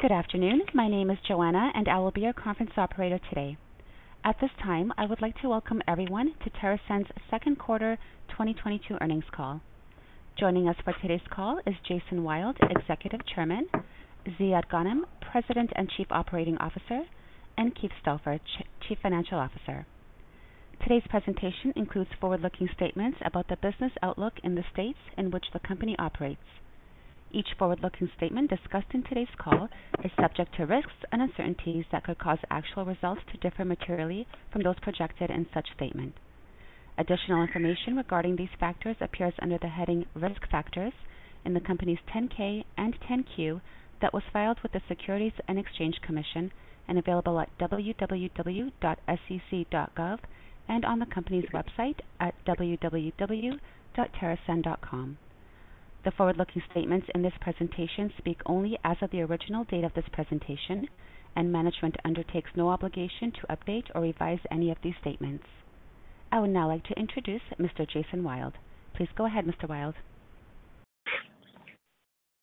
Good afternoon. My name is Joanna, and I will be your conference operator today. At this time, I would like to welcome everyone to TerrAscend's Second Quarter 2022 Earnings Call. Joining us for today's call is Jason Wild, Executive Chairman, Ziad Ghanem, President and Chief Operating Officer, and Keith Stauffer, Chief Financial Officer. Today's presentation includes forward-looking statements about the business outlook in the states in which the company operates. Each forward-looking statement discussed in today's call is subject to risks and uncertainties that could cause actual results to differ materially from those projected in such statements. Additional information regarding these factors appears under the heading Risk Factors in the company's 10-K and 10-Q that was filed with the Securities and Exchange Commission and available at www.sec.gov and on the company's website at www.terrascend.com. The forward-looking statements in this presentation speak only as of the original date of this presentation, and management undertakes no obligation to update or revise any of these statements. I would now like to introduce Mr. Jason Wild. Please go ahead, Mr. Wild.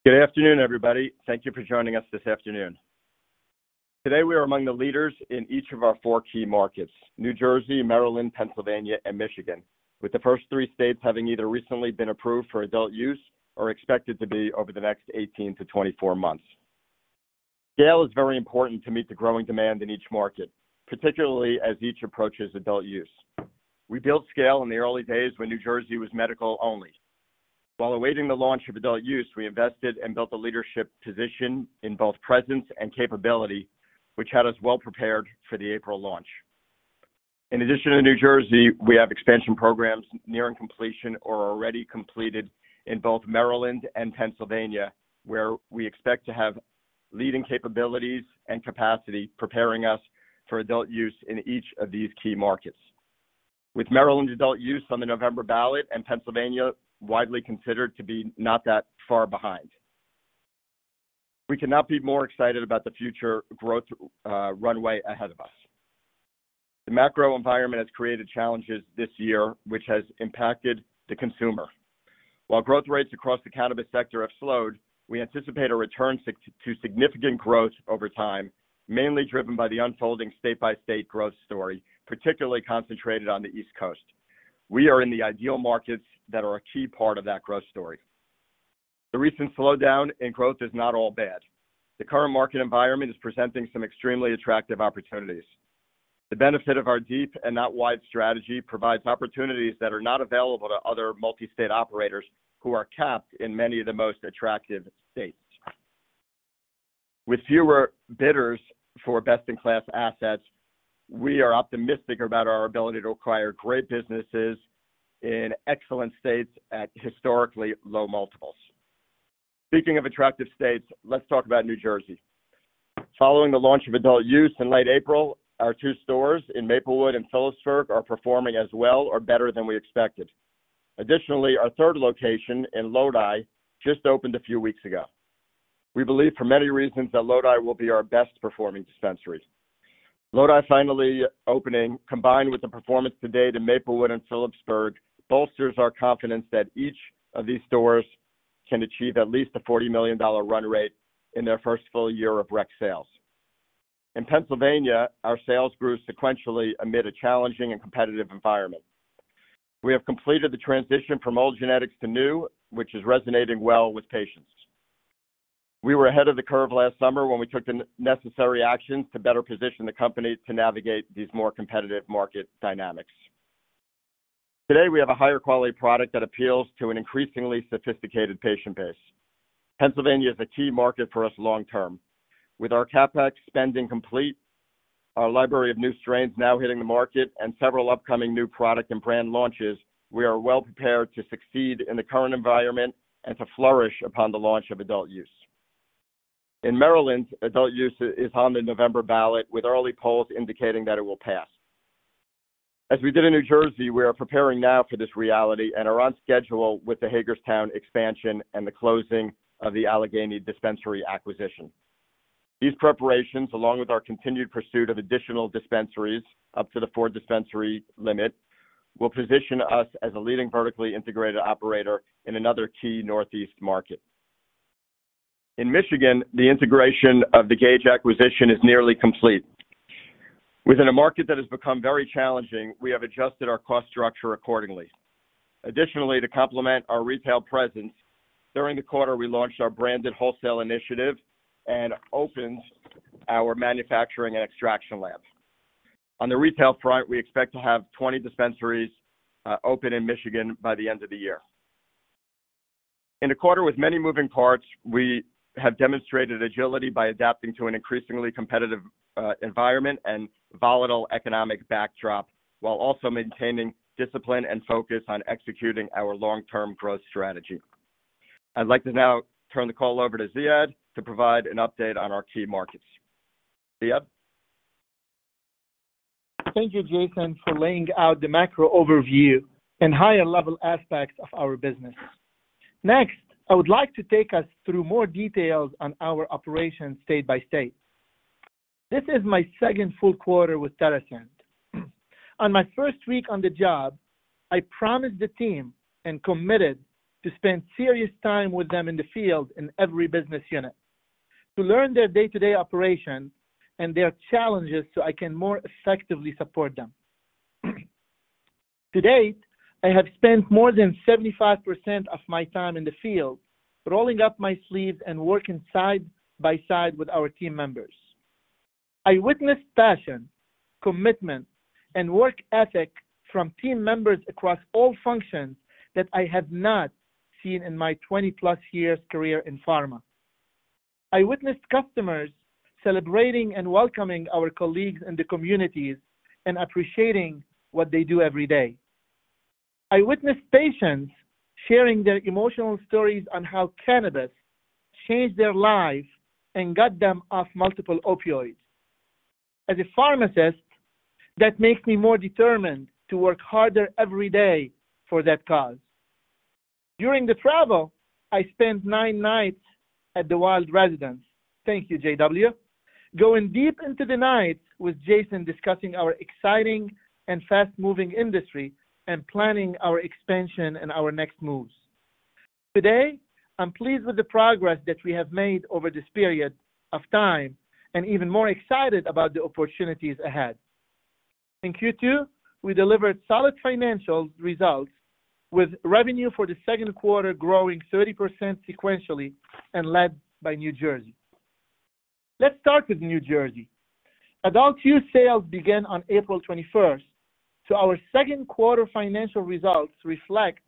Good afternoon, everybody. Thank you for joining us this afternoon. Today, we are among the leaders in each of our four key markets, New Jersey, Maryland, Pennsylvania, and Michigan, with the first three states having either recently been approved for adult use or expected to be over the next 18-24 months. Scale is very important to meet the growing demand in each market, particularly as each approaches adult use. We built scale in the early days when New Jersey was medical only. While awaiting the launch of adult use, we invested and built a leadership position in both presence and capability, which had us well prepared for the April launch. In addition to New Jersey, we have expansion programs nearing completion or already completed in both Maryland and Pennsylvania, where we expect to have leading capabilities and capacity, preparing us for adult use in each of these key markets. With Maryland adult use on the November ballot and Pennsylvania widely considered to be not that far behind, we cannot be more excited about the future growth, runway ahead of us. The macro environment has created challenges this year, which has impacted the consumer. While growth rates across the cannabis sector have slowed, we anticipate a return to significant growth over time, mainly driven by the unfolding state-by-state growth story, particularly concentrated on the East Coast. We are in the ideal markets that are a key part of that growth story. The recent slowdown in growth is not all bad. The current market environment is presenting some extremely attractive opportunities. The benefit of our deep and not wide strategy provides opportunities that are not available to other multi-state operators who are capped in many of the most attractive states. With fewer bidders for best-in-class assets, we are optimistic about our ability to acquire great businesses in excellent states at historically low multiples. Speaking of attractive states, let's talk about New Jersey. Following the launch of adult use in late April, our two stores in Maplewood and Phillipsburg are performing as well or better than we expected. Additionally, our third location in Lodi just opened a few weeks ago. We believe for many reasons that Lodi will be our best-performing dispensary. Lodi finally opening, combined with the performance to date in Maplewood and Phillipsburg, bolsters our confidence that each of these stores can achieve at least a $40 million run rate in their first full year of rec sales. In Pennsylvania, our sales grew sequentially amid a challenging and competitive environment. We have completed the transition from old genetics to new, which is resonating well with patients. We were ahead of the curve last summer when we took the necessary actions to better position the company to navigate these more competitive market dynamics. Today, we have a higher quality product that appeals to an increasingly sophisticated patient base. Pennsylvania is a key market for us long term. With our CapEx spending complete, our library of new strains now hitting the market, and several upcoming new product and brand launches, we are well prepared to succeed in the current environment and to flourish upon the launch of adult use. In Maryland, adult use is on the November ballot, with early polls indicating that it will pass. As we did in New Jersey, we are preparing now for this reality and are on schedule with the Hagerstown expansion and the closing of the Allegany Dispensary acquisition. These preparations, along with our continued pursuit of additional dispensaries up to the four dispensary limit, will position us as a leading vertically integrated operator in another key Northeast market. In Michigan, the integration of the Gage acquisition is nearly complete. Within a market that has become very challenging, we have adjusted our cost structure accordingly. Additionally, to complement our retail presence, during the quarter, we launched our branded wholesale initiative and opened our manufacturing and extraction lab. On the retail front, we expect to have 20 dispensaries open in Michigan by the end of the year. In a quarter with many moving parts, we have demonstrated agility by adapting to an increasingly competitive environment and volatile economic backdrop, while also maintaining discipline and focus on executing our long-term growth strategy. I'd like to now turn the call over to Ziad to provide an update on our key markets. Ziad? Thank you, Jason, for laying out the macro overview and higher level aspects of our business. Next, I would like to take us through more details on our operations state by state. This is my second full quarter with TerrAscend. On my first week on the job, I promised the team and committed to spend serious time with them in the field in every business unit to learn their day-to-day operation and their challenges so I can more effectively support them. To date, I have spent more than 75% of my time in the field, rolling up my sleeves and working side by side with our team members. I witnessed passion, commitment, and work ethic from team members across all functions that I have not seen in my 20+ years career in pharma. I witnessed customers celebrating and welcoming our colleagues in the communities and appreciating what they do every day. I witnessed patients sharing their emotional stories on how cannabis changed their lives and got them off multiple opioids. As a pharmacist, that makes me more determined to work harder every day for that cause. During the travel, I spent nine nights at The Wild residence, thank you, JW, going deep into the night with Jason discussing our exciting and fast-moving industry and planning our expansion and our next moves. Today, I'm pleased with the progress that we have made over this period of time and even more excited about the opportunities ahead. In Q2, we delivered solid financial results with revenue for the second quarter growing 30% sequentially and led by New Jersey. Let's start with New Jersey. Adult use sales began on April 21st, so our second quarter financial results reflect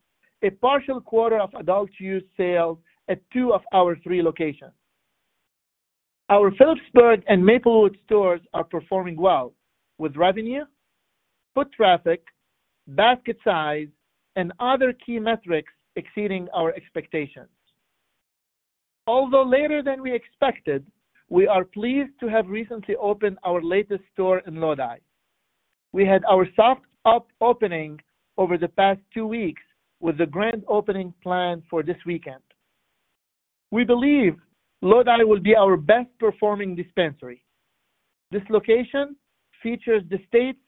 a partial quarter of adult use sales at two of our three locations. Our Phillipsburg and Maplewood stores are performing well, with revenue, foot traffic, basket size, and other key metrics exceeding our expectations. Although later than we expected, we are pleased to have recently opened our latest store in Lodi. We had our soft opening over the past two weeks, with the grand opening planned for this weekend. We believe Lodi will be our best-performing dispensary. This location features the state's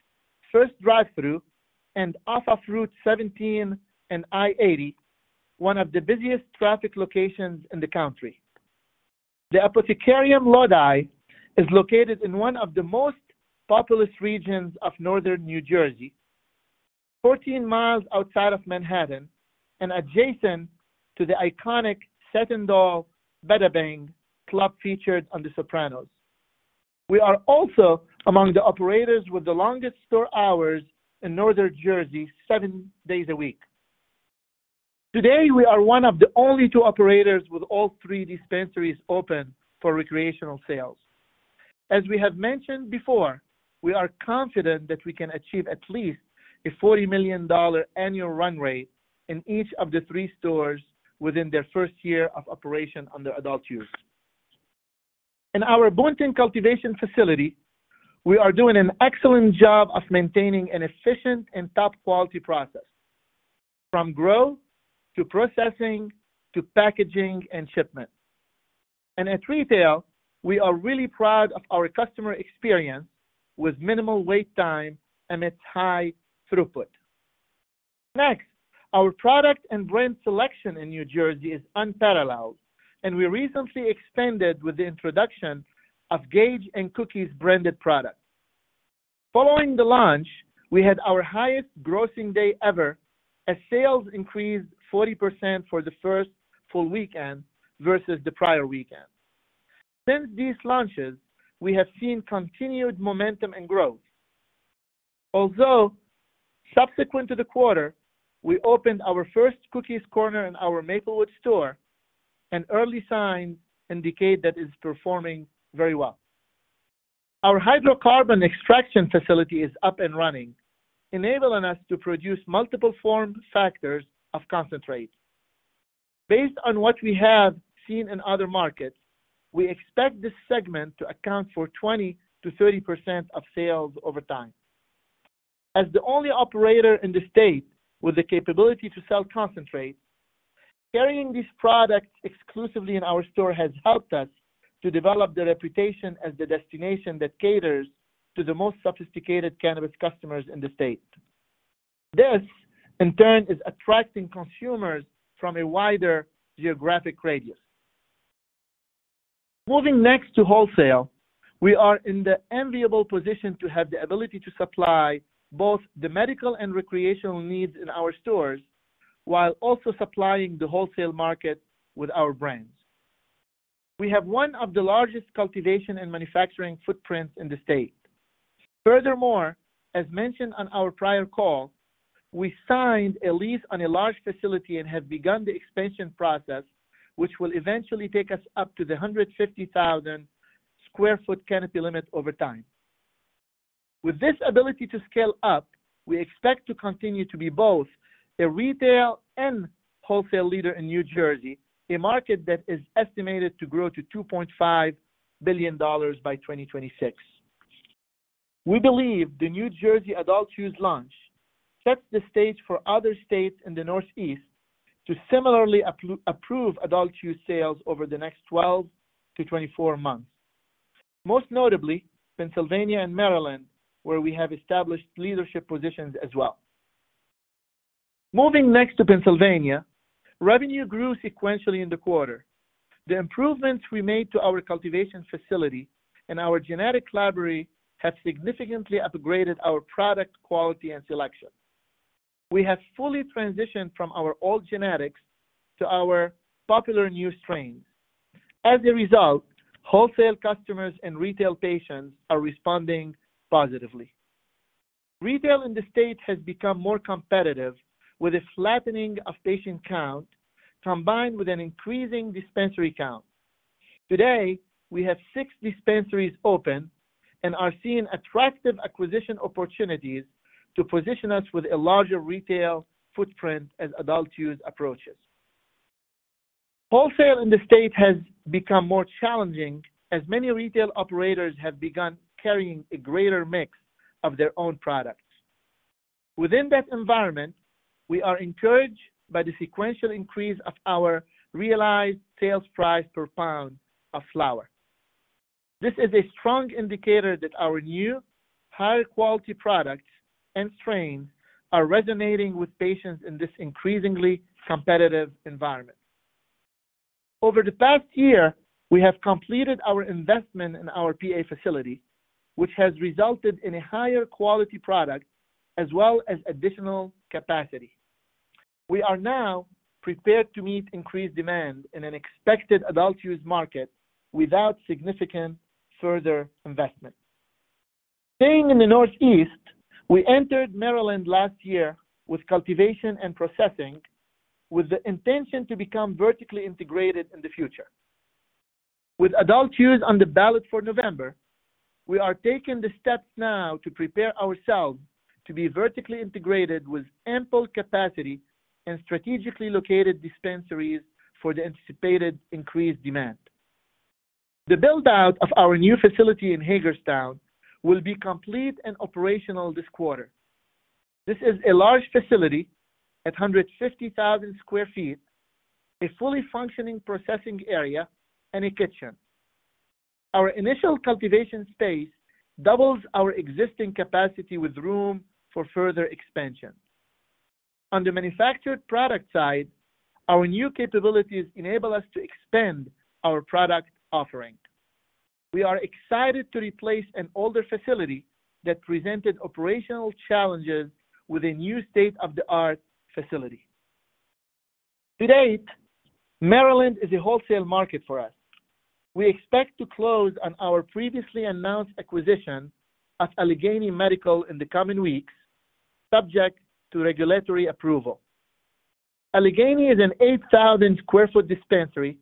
first drive-through and off of Route 17 and I-80, one of the busiest traffic locations in the country. The Apothecarium Lodi is located in one of the most populous regions of northern New Jersey, 14 miles outside of Manhattan and adjacent to the iconic Satin Dolls Bada Bing club featured on The Sopranos. We are also among the operators with the longest store hours in northern New Jersey, seven days a week. Today, we are one of the only two operators with all three dispensaries open for recreational sales. As we have mentioned before, we are confident that we can achieve at least a $40 million annual run rate in each of the three stores within their first year of operation under adult-use. In our Boonton cultivation facility, we are doing an excellent job of maintaining an efficient and top-quality process, from growth to processing to packaging and shipment. At retail, we are really proud of our customer experience with minimal wait time amidst high throughput. Next, our product and brand selection in New Jersey is unparalleled, and we recently expanded with the introduction of Gage and Cookies branded products. Following the launch, we had our highest grossing day ever as sales increased 40% for the first full weekend versus the prior weekend. Since these launches, we have seen continued momentum and growth. Although subsequent to the quarter, we opened our first Cookies Corner in our Maplewood store, and early signs indicate that it's performing very well. Our hydrocarbon extraction facility is up and running, enabling us to produce multiple form factors of concentrate. Based on what we have seen in other markets, we expect this segment to account for 20%-30% of sales over time. As the only operator in the state with the capability to sell concentrate, carrying these products exclusively in our store has helped us to develop the reputation as the destination that caters to the most sophisticated cannabis customers in the state. This, in turn, is attracting consumers from a wider geographic radius. Moving next to wholesale, we are in the enviable position to have the ability to supply both the medical and recreational needs in our stores while also supplying the wholesale market with our brands. We have one of the largest cultivation and manufacturing footprints in the state. Furthermore, as mentioned on our prior call, we signed a lease on a large facility and have begun the expansion process, which will eventually take us up to the 150,000 sq ft canopy limit over time. With this ability to scale up, we expect to continue to be both a retail and wholesale leader in New Jersey, a market that is estimated to grow to $2.5 billion by 2026. We believe the New Jersey adult-use launch set the stage for other states in the Northeast to similarly approve adult use sales over the next 12-24 months. Most notably, Pennsylvania and Maryland, where we have established leadership positions as well. Moving next to Pennsylvania, revenue grew sequentially in the quarter. The improvements we made to our cultivation facility and our genetic library have significantly upgraded our product quality and selection. We have fully transitioned from our old genetics to our popular new strains. As a result, wholesale customers and retail patients are responding positively. Retail in the state has become more competitive, with a flattening of patient count combined with an increasing dispensary count. Today, we have six dispensaries open and are seeing attractive acquisition opportunities to position us with a larger retail footprint as adult use approaches. Wholesale in the state has become more challenging as many retail operators have begun carrying a greater mix of their own products. Within that environment, we are encouraged by the sequential increase of our realized sales price per pound of flower. This is a strong indicator that our new higher quality products and strains are resonating with patients in this increasingly competitive environment. Over the past year, we have completed our investment in our PA facility, which has resulted in a higher quality product as well as additional capacity. We are now prepared to meet increased demand in an expected adult use market without significant further investment. Staying in the Northeast, we entered Maryland last year with cultivation and processing, with the intention to become vertically integrated in the future. With adult use on the ballot for November, we are taking the steps now to prepare ourselves to be vertically integrated with ample capacity and strategically located dispensaries for the anticipated increased demand. The build-out of our new facility in Hagerstown will be complete and operational this quarter. This is a large facility at 150,000 sq ft, a fully functioning processing area, and a kitchen. Our initial cultivation space doubles our existing capacity with room for further expansion. On the manufactured product side, our new capabilities enable us to expand our product offering. We are excited to replace an older facility that presented operational challenges with a new state-of-the-art facility. To date, Maryland is a wholesale market for us. We expect to close on our previously announced acquisition of Allegany Medical in the coming weeks, subject to regulatory approval. Allegany is an 8,000 sq ft dispensary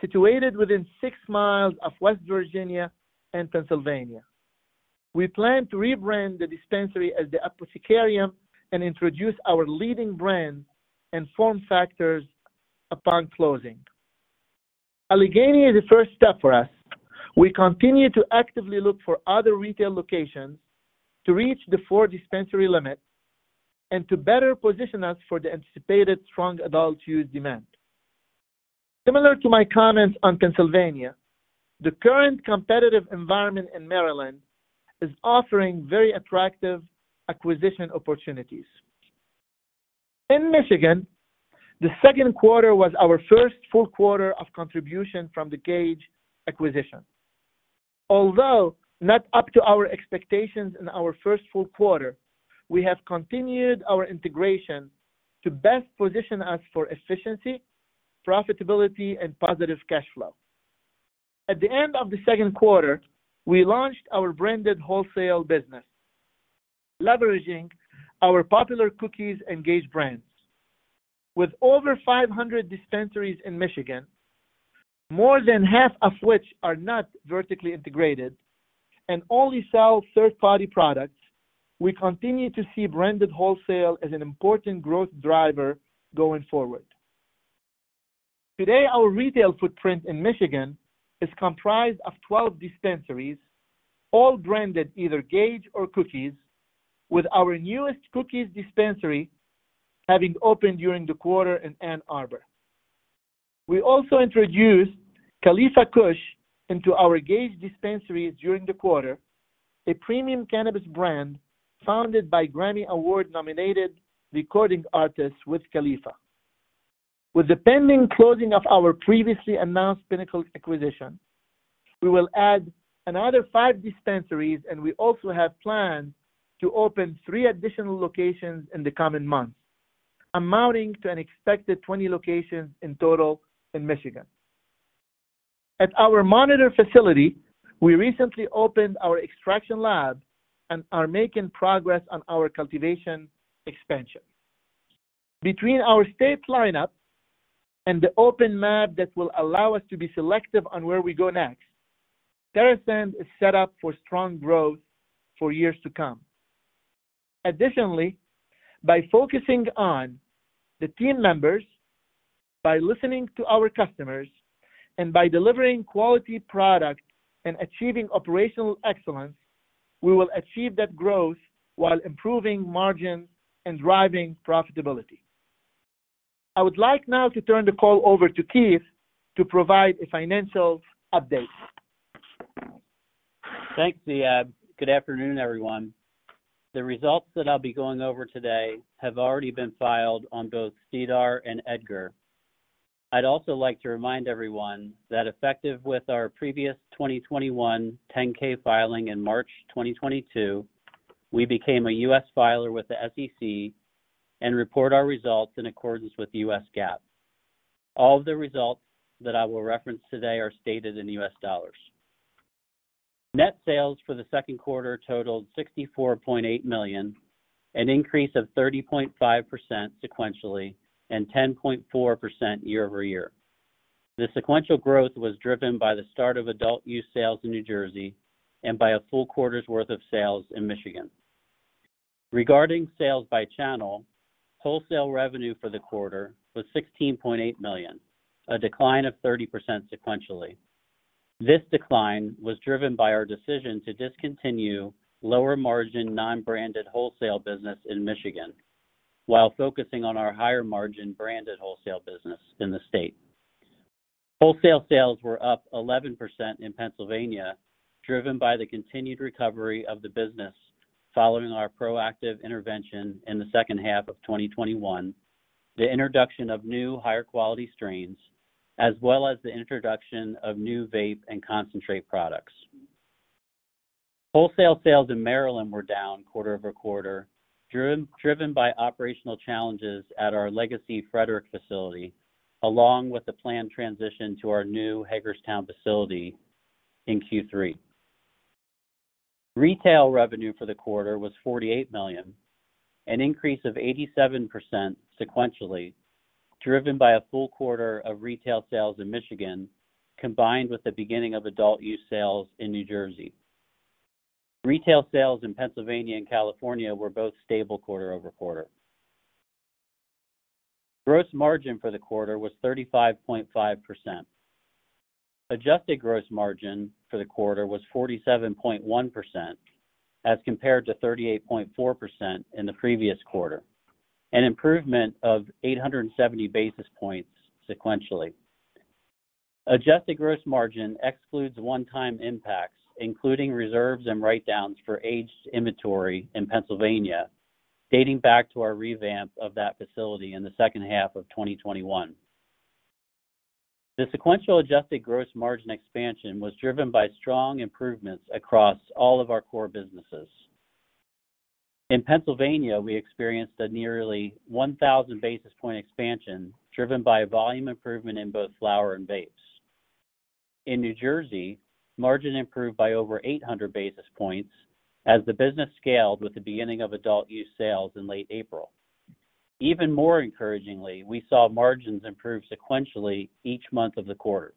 situated within six miles of West Virginia and Pennsylvania. We plan to rebrand the dispensary as The Apothecarium and introduce our leading brand and form factors upon closing. Allegany is the first step for us. We continue to actively look for other retail locations to reach the four dispensary limit and to better position us for the anticipated strong adult use demand. Similar to my comments on Pennsylvania, the current competitive environment in Maryland is offering very attractive acquisition opportunities. In Michigan, the second quarter was our first full quarter of contribution from the Gage acquisition. Although not up to our expectations in our first full quarter, we have continued our integration to best position us for efficiency, profitability, and positive cash flow. At the end of the second quarter, we launched our branded wholesale business, leveraging our popular Cookies and Gage brands. With over 500 dispensaries in Michigan, more than half of which are not vertically integrated and only sell third-party products, we continue to see branded wholesale as an important growth driver going forward. Today, our retail footprint in Michigan is comprised of 12 dispensaries, all branded either Gage or Cookies, with our newest Cookies dispensary having opened during the quarter in Ann Arbor. We also introduced Khalifa Kush into our Gage dispensaries during the quarter, a premium cannabis brand founded by Grammy Award-nominated recording artist Wiz Khalifa. With the pending closing of our previously announced Pinnacle acquisition, we will add another five dispensaries, and we also have plans to open three additional locations in the coming months, amounting to an expected 20 locations in total in Michigan. At our Monitor facility, we recently opened our extraction lab and are making progress on our cultivation expansion. Between our state lineup and the open map that will allow us to be selective on where we go next, TerrAscend is set up for strong growth for years to come. Additionally, by focusing on the team members. By listening to our customers and by delivering quality product and achieving operational excellence, we will achieve that growth while improving margin and driving profitability. I would like now to turn the call over to Keith to provide a financial update. Thanks, Ziad. Good afternoon, everyone. The results that I'll be going over today have already been filed on both SEDAR and EDGAR. I'd also like to remind everyone that effective with our previous 2021 10-K filing in March 2022, we became a U.S. filer with the SEC and report our results in accordance with U.S. GAAP. All of the results that I will reference today are stated in U.S. dollars. Net sales for the second quarter totaled $64.8 million, an increase of 30.5% sequentially, and 10.4% year-over-year. The sequential growth was driven by the start of adult use sales in New Jersey and by a full quarter's worth of sales in Michigan. Regarding sales by channel, wholesale revenue for the quarter was $16.8 million, a decline of 30% sequentially. This decline was driven by our decision to discontinue lower-margin, non-branded wholesale business in Michigan while focusing on our higher-margin branded wholesale business in the state. Wholesale sales were up 11% in Pennsylvania, driven by the continued recovery of the business following our proactive intervention in the second half of 2021, the introduction of new higher-quality strains, as well as the introduction of new vape and concentrate products. Wholesale sales in Maryland were down quarter-over-quarter, driven by operational challenges at our legacy Frederick facility, along with the planned transition to our new Hagerstown facility in Q3. Retail revenue for the quarter was $48 million, an increase of 87% sequentially, driven by a full quarter of retail sales in Michigan, combined with the beginning of adult use sales in New Jersey. Retail sales in Pennsylvania and California were both stable quarter-over-quarter. Gross margin for the quarter was 35.5%. Adjusted gross margin for the quarter was 47.1% as compared to 38.4% in the previous quarter, an improvement of 870 basis points sequentially. Adjusted gross margin excludes one-time impacts, including reserves and write-downs for aged inventory in Pennsylvania, dating back to our revamp of that facility in the second half of 2021. The sequential adjusted gross margin expansion was driven by strong improvements across all of our core businesses. In Pennsylvania, we experienced a nearly 1,000 basis point expansion, driven by volume improvement in both flower and vapes. In New Jersey, margin improved by over 800 basis points as the business scaled with the beginning of adult use sales in late April. Even more encouragingly, we saw margins improve sequentially each month of the quarter.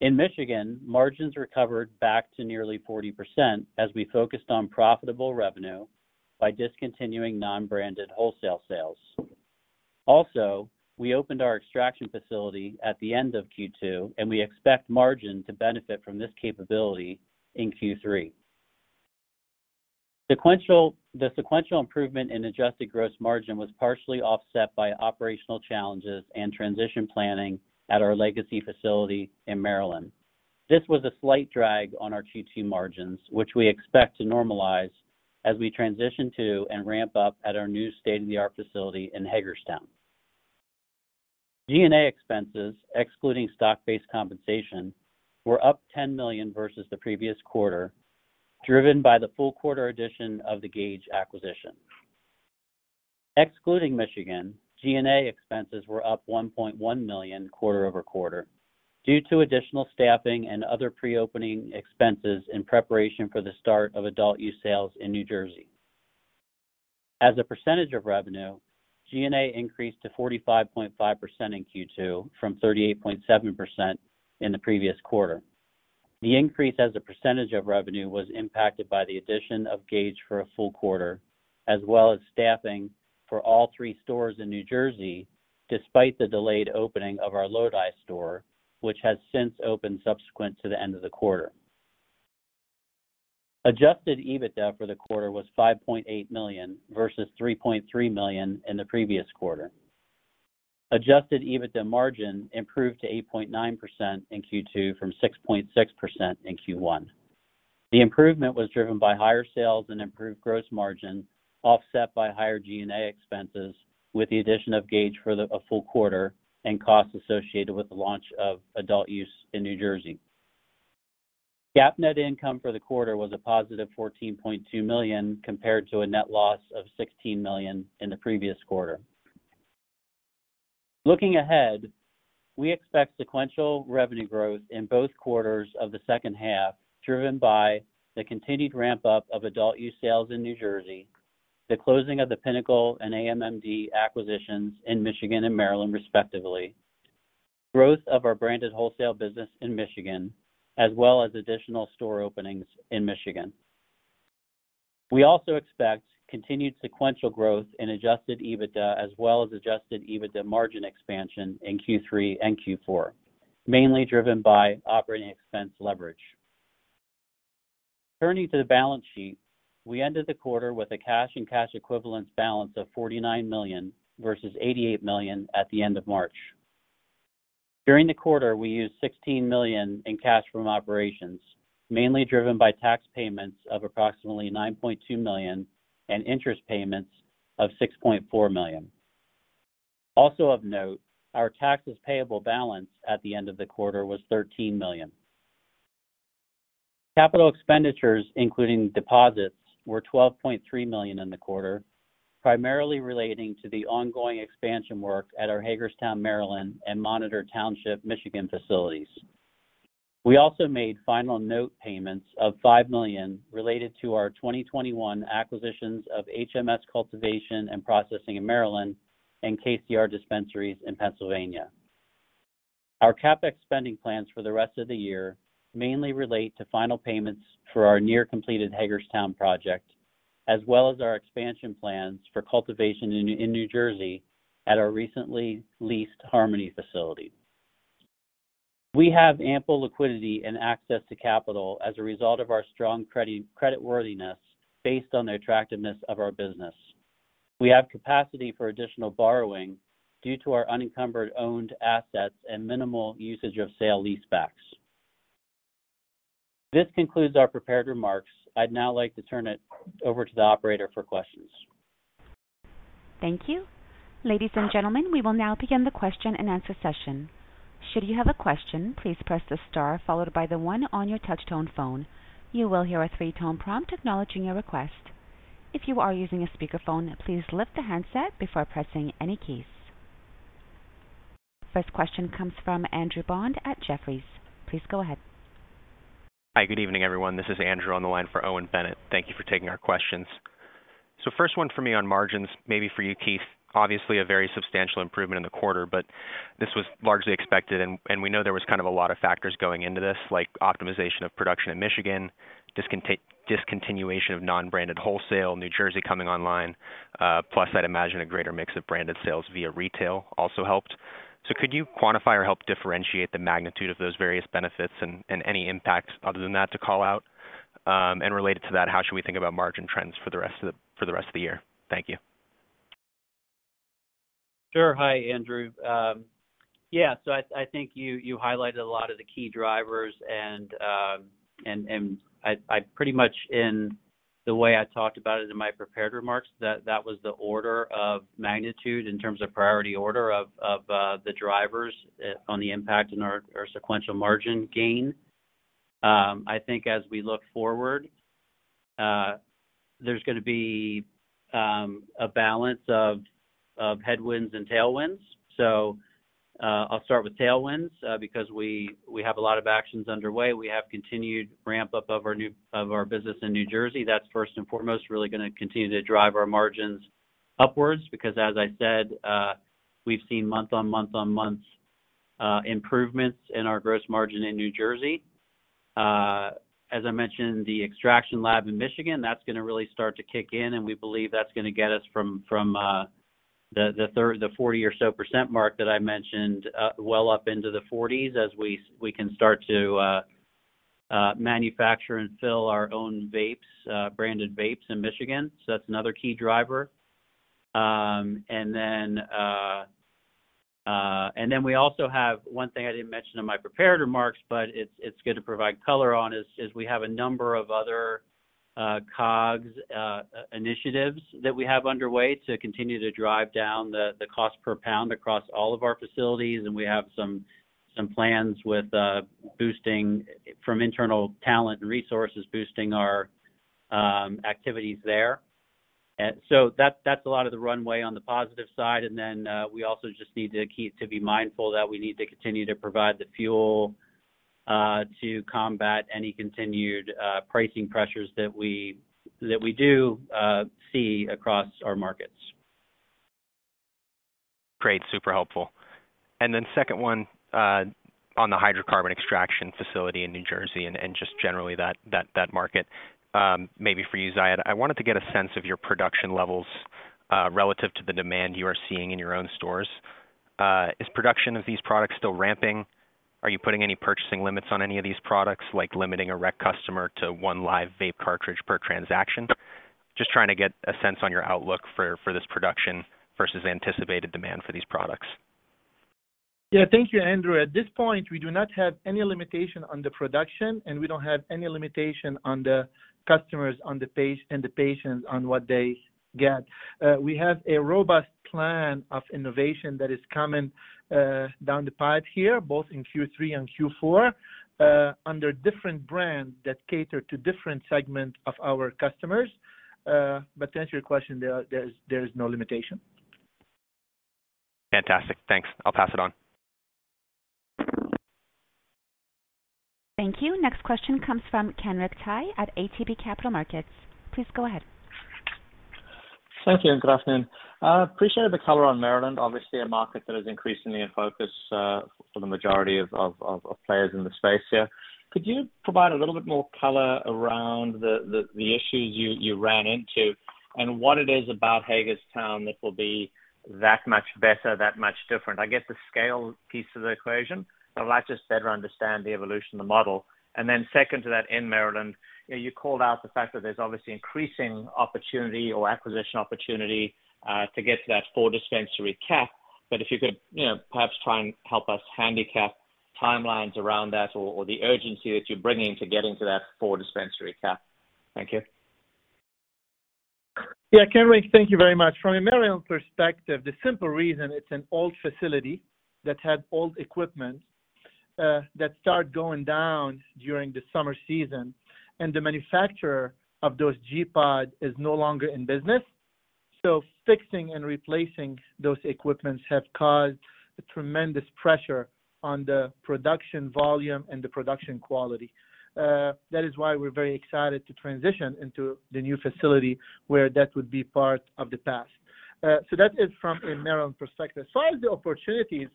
In Michigan, margins recovered back to nearly 40% as we focused on profitable revenue by discontinuing non-branded wholesale sales. Also, we opened our extraction facility at the end of Q2, and we expect margin to benefit from this capability in Q3. The sequential improvement in adjusted gross margin was partially offset by operational challenges and transition planning at our legacy facility in Maryland. This was a slight drag on our Q2 margins, which we expect to normalize as we transition to and ramp up at our new state-of-the-art facility in Hagerstown. G&A expenses excluding stock-based compensation were up $10 million versus the previous quarter, driven by the full quarter addition of the Gage acquisition. Excluding Michigan, G&A expenses were up $1.1 million quarter over quarter due to additional staffing and other pre-opening expenses in preparation for the start of adult use sales in New Jersey. As a percentage of revenue, G&A increased to 45.5% in Q2 from 38.7% in the previous quarter. The increase as a percentage of revenue was impacted by the addition of Gage for a full quarter, as well as staffing for all three stores in New Jersey, despite the delayed opening of our Lodi store, which has since opened subsequent to the end of the quarter. Adjusted EBITDA for the quarter was $5.8 million, versus $3.3 million in the previous quarter. Adjusted EBITDA margin improved to 8.9% in Q2 from 6.6% in Q1. The improvement was driven by higher sales and improved gross margin, offset by higher G&A expenses with the addition of Gage for a full quarter and costs associated with the launch of adult use in New Jersey. GAAP net income for the quarter was a positive $14.2 million, compared to a net loss of $16 million in the previous quarter. Looking ahead, we expect sequential revenue growth in both quarters of the second half, driven by the continued ramp-up of adult use sales in New Jersey, the closing of the Pinnacle and AMMD acquisitions in Michigan and Maryland, respectively. Growth of our branded wholesale business in Michigan, as well as additional store openings in Michigan. We also expect continued sequential growth in Adjusted EBITDA as well as Adjusted EBITDA margin expansion in Q3 and Q4, mainly driven by operating expense leverage. Turning to the balance sheet, we ended the quarter with a cash and cash equivalents balance of $49 million versus $88 million at the end of March. During the quarter, we used $16 million in cash from operations, mainly driven by tax payments of approximately $9.2 million and interest payments of $6.4 million. Our taxes payable balance at the end of the quarter was $13 million. Capital expenditures, including deposits, were $12.3 million in the quarter, primarily relating to the ongoing expansion work at our Hagerstown, Maryland, and Monitor Township, Michigan, facilities. We also made final note payments of $5 million related to our 2021 acquisitions of HMS Health in Maryland and KCR Dispensaries in Pennsylvania. Our CapEx spending plans for the rest of the year mainly relate to final payments for our near-completed Hagerstown project, as well as our expansion plans for cultivation in New Jersey at our recently leased Harmony facility. We have ample liquidity and access to capital as a result of our strong creditworthiness based on the attractiveness of our business. We have capacity for additional borrowing due to our unencumbered owned assets and minimal usage of sale leasebacks. This concludes our prepared remarks. I'd now like to turn it over to the operator for questions. Thank you. Ladies and gentlemen, we will now begin the question-and-answer session. Should you have a question, please press the star followed by the one on your touch-tone phone. You will hear a three-tone prompt acknowledging your request. If you are using a speakerphone, please lift the handset before pressing any keys. First question comes from Andrew Bond at Jefferies. Please go ahead. Hi. Good evening, everyone. This is Andrew on the line for Owen Bennett. Thank you for taking our questions. First one for me on margins, maybe for you, Keith. Obviously, a very substantial improvement in the quarter, but this was largely expected, and we know there was kind of a lot of factors going into this, like optimization of production in Michigan, discontinuation of non-branded wholesale, New Jersey coming online, plus I'd imagine a greater mix of branded sales via retail also helped. Could you quantify or help differentiate the magnitude of those various benefits and any impacts other than that to call out? And related to that, how should we think about margin trends for the rest of the year? Thank you. Sure. Hi, Andrew. Yeah, so I think you highlighted a lot of the key drivers and I pretty much in the way I talked about it in my prepared remarks, that was the order of magnitude in terms of priority order of the drivers on the impact in our sequential margin gain. I think as we look forward, there's gonna be a balance of headwinds and tailwinds. I'll start with tailwinds because we have a lot of actions underway. We have continued ramp-up of our business in New Jersey. That's first and foremost really gonna continue to drive our margins upwards because, as I said, we've seen month-on-month improvements in our gross margin in New Jersey. As I mentioned, the extraction lab in Michigan, that's gonna really start to kick in, and we believe that's gonna get us from the thirty or so percent mark that I mentioned, well up into the 40s as we can start to manufacture and fill our own vapes, branded vapes in Michigan. That's another key driver. We also have one thing I didn't mention in my prepared remarks, but it's good to provide color on, is we have a number of other COGS initiatives that we have underway to continue to drive down the cost per pound across all of our facilities. We have some plans with boosting from internal talent and resources, boosting our activities there. That's a lot of the runway on the positive side. We also just need to be mindful that we need to continue to provide the fuel to combat any continued pricing pressures that we do see across our markets. Great. Super helpful. Second one, on the hydrocarbon extraction facility in New Jersey and just generally that market, maybe for you, Ziad. I wanted to get a sense of your production levels relative to the demand you are seeing in your own stores. Is production of these products still ramping? Are you putting any purchasing limits on any of these products, like limiting a rec customer to one live vape cartridge per transaction? Just trying to get a sense on your outlook for this production versus anticipated demand for these products. Yeah. Thank you, Andrew. At this point, we do not have any limitation on the production, and we don't have any limitation on the customers on the pace and the patients on what they get. We have a robust plan of innovation that is coming down the pipe here, both in Q3 and Q4, under different brands that cater to different segments of our customers. To answer your question, there is no limitation. Fantastic. Thanks. I'll pass it on. Thank you. Next question comes from Kenric Tyghe at ATB Capital Markets. Please go ahead. Thank you, and good afternoon. I appreciate the color on Maryland, obviously a market that is increasingly in focus, for the majority of players in the space here. Could you provide a little bit more color around the issues you ran into and what it is about Hagerstown that will be that much better, that much different? I get the scale piece of the equation, but I'd like to just better understand the evolution of the model. Second to that, in Maryland, you know, you called out the fact that there's obviously increasing opportunity or acquisition opportunity to get to that four dispensary cap. But if you could, you know, perhaps try and help us handicap timelines around that or the urgency that you're bringing to getting to that four dispensary cap. Thank you. Yeah, Kenric, thank you very much. From a Maryland perspective, the simple reason, it's an old facility that had old equipment that start going down during the summer season, and the manufacturer of those GrowPods is no longer in business. Fixing and replacing those equipment have caused a tremendous pressure on the production volume and the production quality. That is why we're very excited to transition into the new facility where that would be part of the past. That is from a Maryland perspective. As far as the opportunities,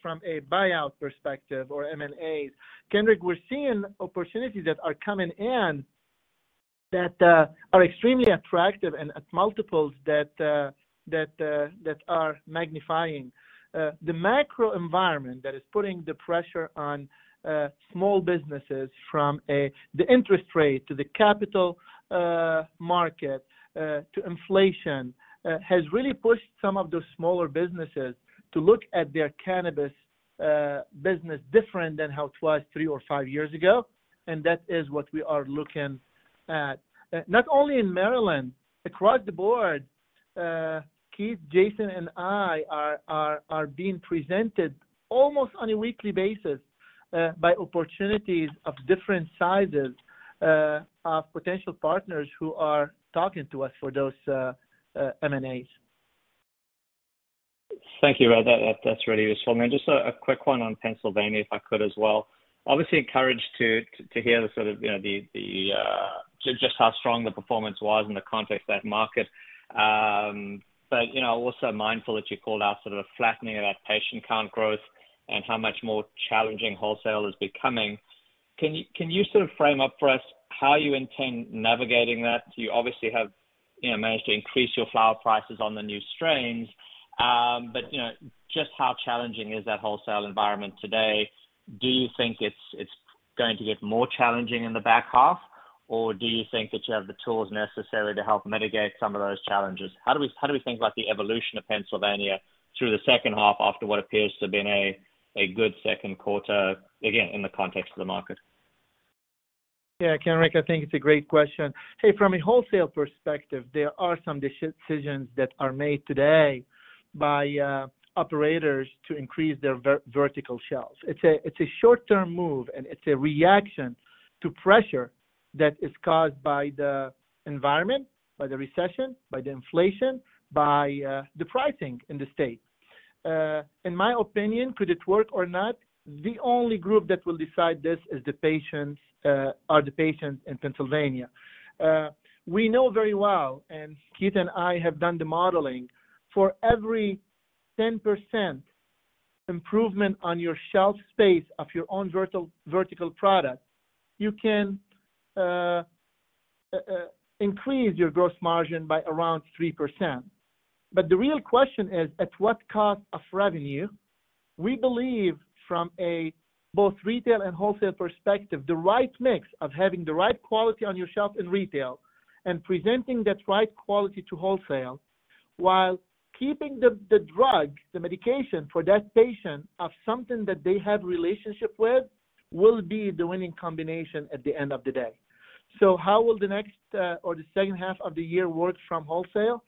from a buyout perspective or M&A, Kenric, we're seeing opportunities that are coming in that are extremely attractive and at multiples that are magnifying. The macro environment that is putting the pressure on small businesses from a... The interest rate to the capital market to inflation has really pushed some of those smaller businesses to look at their cannabis business different than how it was three or five years ago, and that is what we are looking at. Not only in Maryland, across the board, Keith, Jason, and I are being presented almost on a weekly basis with opportunities of different sizes of potential partners who are talking to us for those M&As. Thank you. Well, that's really useful. I mean, just a quick one on Pennsylvania, if I could as well. Obviously encouraged to hear the sort of, you know, the just how strong the performance was in the context of that market. But you know, also mindful that you called out sort of a flattening of that patient count growth and how much more challenging wholesale is becoming. Can you sort of frame up for us how you intend navigating that? You obviously have, you know, managed to increase your flower prices on the new strains. But you know, just how challenging is that wholesale environment today? Do you think it's going to get more challenging in the back half? Or do you think that you have the tools necessary to help mitigate some of those challenges? How do we think about the evolution of Pennsylvania through the second half after what appears to have been a good second quarter, again, in the context of the market? Kenric Tyghe, I think it's a great question. From a wholesale perspective, there are some decisions that are made today by operators to increase their vertical shelves. It's a short-term move, and it's a reaction to pressure that is caused by the environment, by the recession, by the inflation, by the pricing in the state. In my opinion, could it work or not? The only group that will decide this is the patients in Pennsylvania. We know very well, and Keith and I have done the modeling, for every 10% improvement on your shelf space of your own vertical product, you can increase your gross margin by around 3%. But the real question is, at what cost of revenue? We believe from a both retail and wholesale perspective, the right mix of having the right quality on your shelf in retail and presenting that right quality to wholesale while keeping the drug, the medication for that patient of something that they have relationship with will be the winning combination at the end of the day. How will the next, or the second half of the year work from wholesale?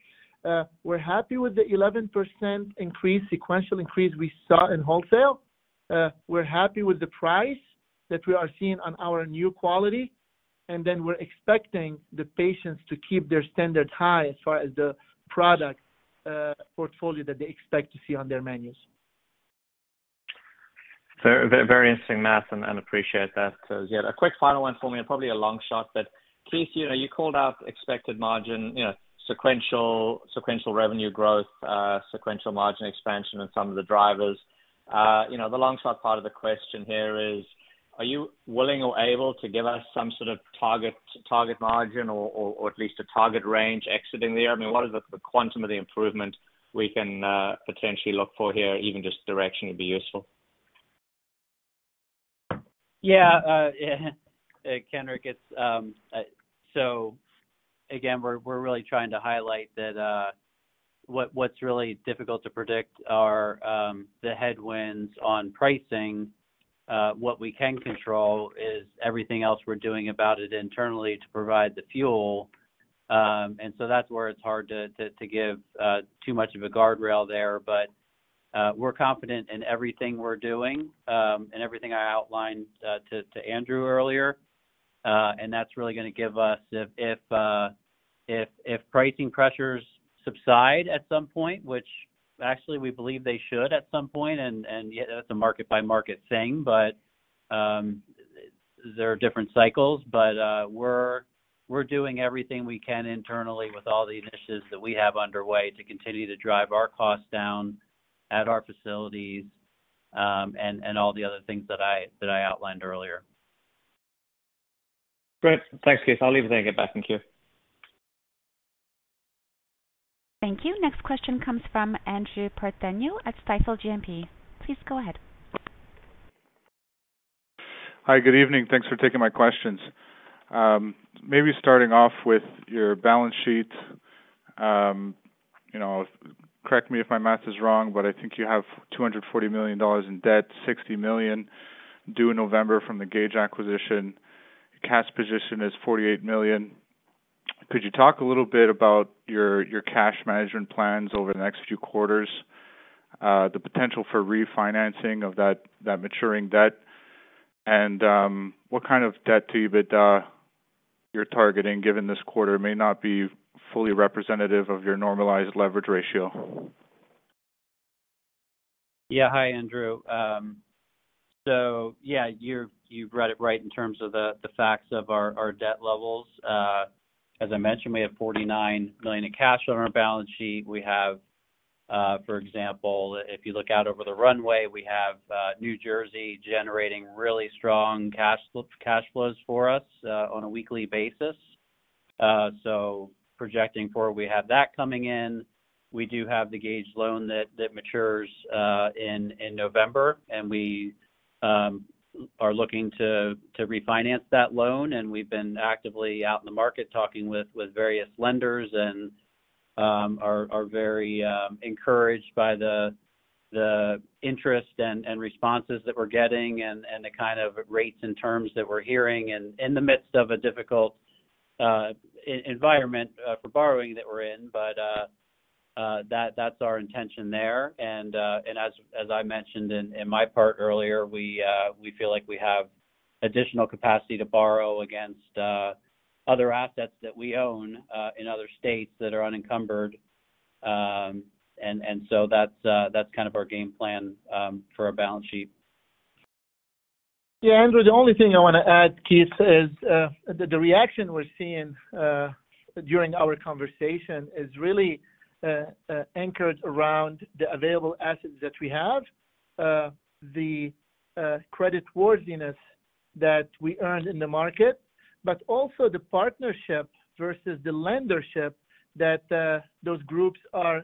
We're happy with the 11% increase, sequential increase we saw in wholesale. We're happy with the price that we are seeing on our new quality, and then we're expecting the patients to keep their standards high as far as the product portfolio that they expect to see on their menus. Very interesting math and appreciate that. Yeah. A quick final one for me, and probably a long shot, but Keith, you know, you called out expected margin, you know, sequential revenue growth, sequential margin expansion and some of the drivers. You know, the long shot part of the question here is, are you willing or able to give us some sort of target margin or at least a target range exiting the year? I mean, what is the quantum of the improvement we can potentially look for here? Even just direction would be useful. Yeah. Yeah. Kenric Tyghe, it's. Again, we're really trying to highlight that what's really difficult to predict are the headwinds on pricing. What we can control is everything else we're doing about it internally to provide the fuel. That's where it's hard to give too much of a guardrail there. We're confident in everything we're doing and everything I outlined to Andrew earlier. That's really gonna give us if pricing pressures subside at some point, which actually we believe they should at some point, and that's a market by market thing. There are different cycles, but we're doing everything we can internally with all the initiatives that we have underway to continue to drive our costs down at our facilities, and all the other things that I outlined earlier. Great. Thanks, Keith. I'll leave it there and get back in queue. Thank you. Next question comes from Andrew Partheniou at Stifel GMP. Please go ahead. Hi. Good evening. Thanks for taking my questions. Maybe starting off with your balance sheet. You know, correct me if my math is wrong, but I think you have $240 million in debt, $60 million due in November from the Gage acquisition. Cash position is $48 million. Could you talk a little bit about your cash management plans over the next few quarters, the potential for refinancing of that maturing debt? What kind of debt you're targeting given this quarter may not be fully representative of your normalized leverage ratio. Yeah. Hi, Andrew. Yeah, you've read it right in terms of the facts of our debt levels. As I mentioned, we have $49 million in cash on our balance sheet. We have, for example, if you look out over the runway, we have New Jersey generating really strong cash flows for us on a weekly basis. Projecting forward we have that coming in. We do have the Gage loan that matures in November, and we are looking to refinance that loan. We've been actively out in the market talking with various lenders and are very encouraged by the interest and responses that we're getting and the kind of rates and terms that we're hearing in the midst of a difficult environment for borrowing that we're in. That's our intention there. As I mentioned in my part earlier, we feel like we have additional capacity to borrow against other assets that we own in other states that are unencumbered. That's kind of our game plan for our balance sheet. Yeah, Andrew, the only thing I wanna add, Keith, is the reaction we're seeing during our conversation is really anchored around the available assets that we have, the creditworthiness that we earned in the market, but also the partnership versus the lendership that those groups are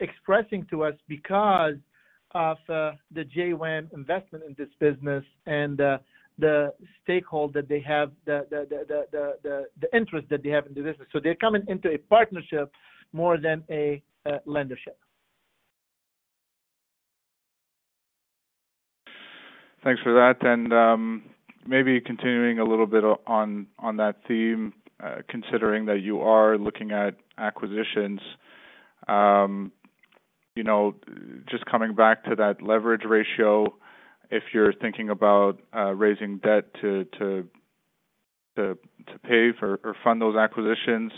expressing to us because of the JW investment in this business and the stakeholder that they have—the interest that they have in the business. They're coming into a partnership more than a lendership. Thanks for that. Maybe continuing a little bit on that theme, considering that you are looking at acquisitions, you know, just coming back to that leverage ratio, if you're thinking about raising debt to pay for or fund those acquisitions.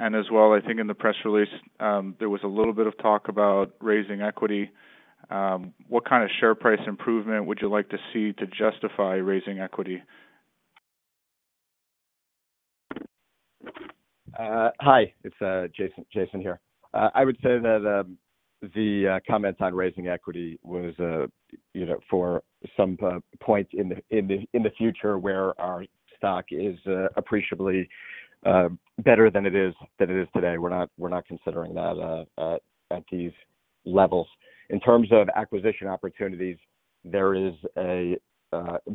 As well, I think in the press release, there was a little bit of talk about raising equity. What kind of share price improvement would you like to see to justify raising equity? Hi. It's Jason here. I would say that the comments on raising equity was you know for some point in the future where our stock is appreciably better than it is today. We're not considering that at these levels. In terms of acquisition opportunities, there is a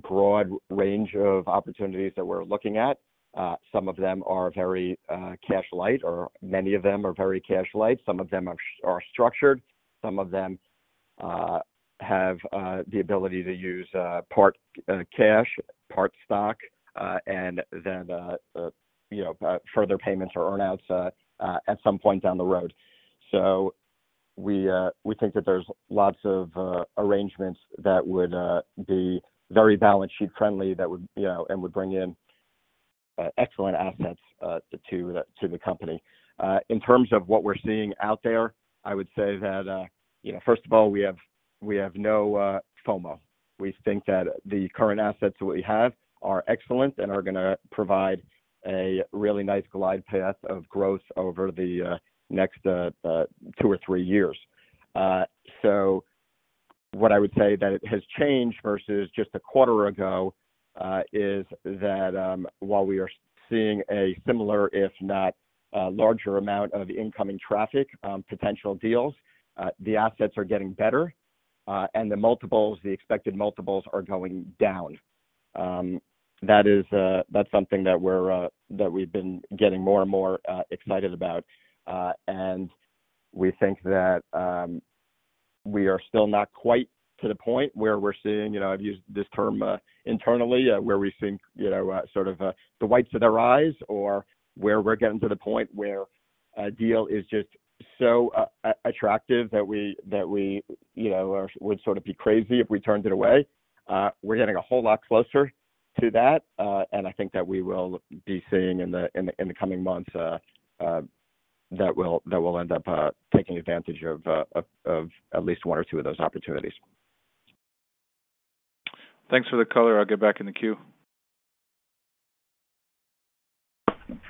broad range of opportunities that we're looking at. Some of them are very cash light, or many of them are very cash light. Some of them are structured, some of them have the ability to use part cash, part stock, and then you know further payments or earn-outs at some point down the road. We think that there's lots of arrangements that would be very balance sheet friendly, that would, you know, and would bring in excellent assets to the company. In terms of what we're seeing out there, I would say that, you know, first of all, we have no FOMO. We think that the current assets that we have are excellent and are gonna provide a really nice glide path of growth over the next two or three years. What I would say that it has changed versus just a quarter ago is that, while we are seeing a similar, if not larger amount of incoming traffic, potential deals, the assets are getting better and the multiples, the expected multiples are going down. That's something that we've been getting more and more excited about. We think that we are still not quite to the point where we're seeing, you know, I've used this term internally, where we think, you know, sort of, the whites of their eyes or where we're getting to the point where a deal is just so attractive that we, you know, would sort of be crazy if we turned it away. We're getting a whole lot closer to that. I think that we will be seeing in the coming months. That will end up taking advantage of at least one or two of those opportunities. Thanks for the color. I'll get back in the queue.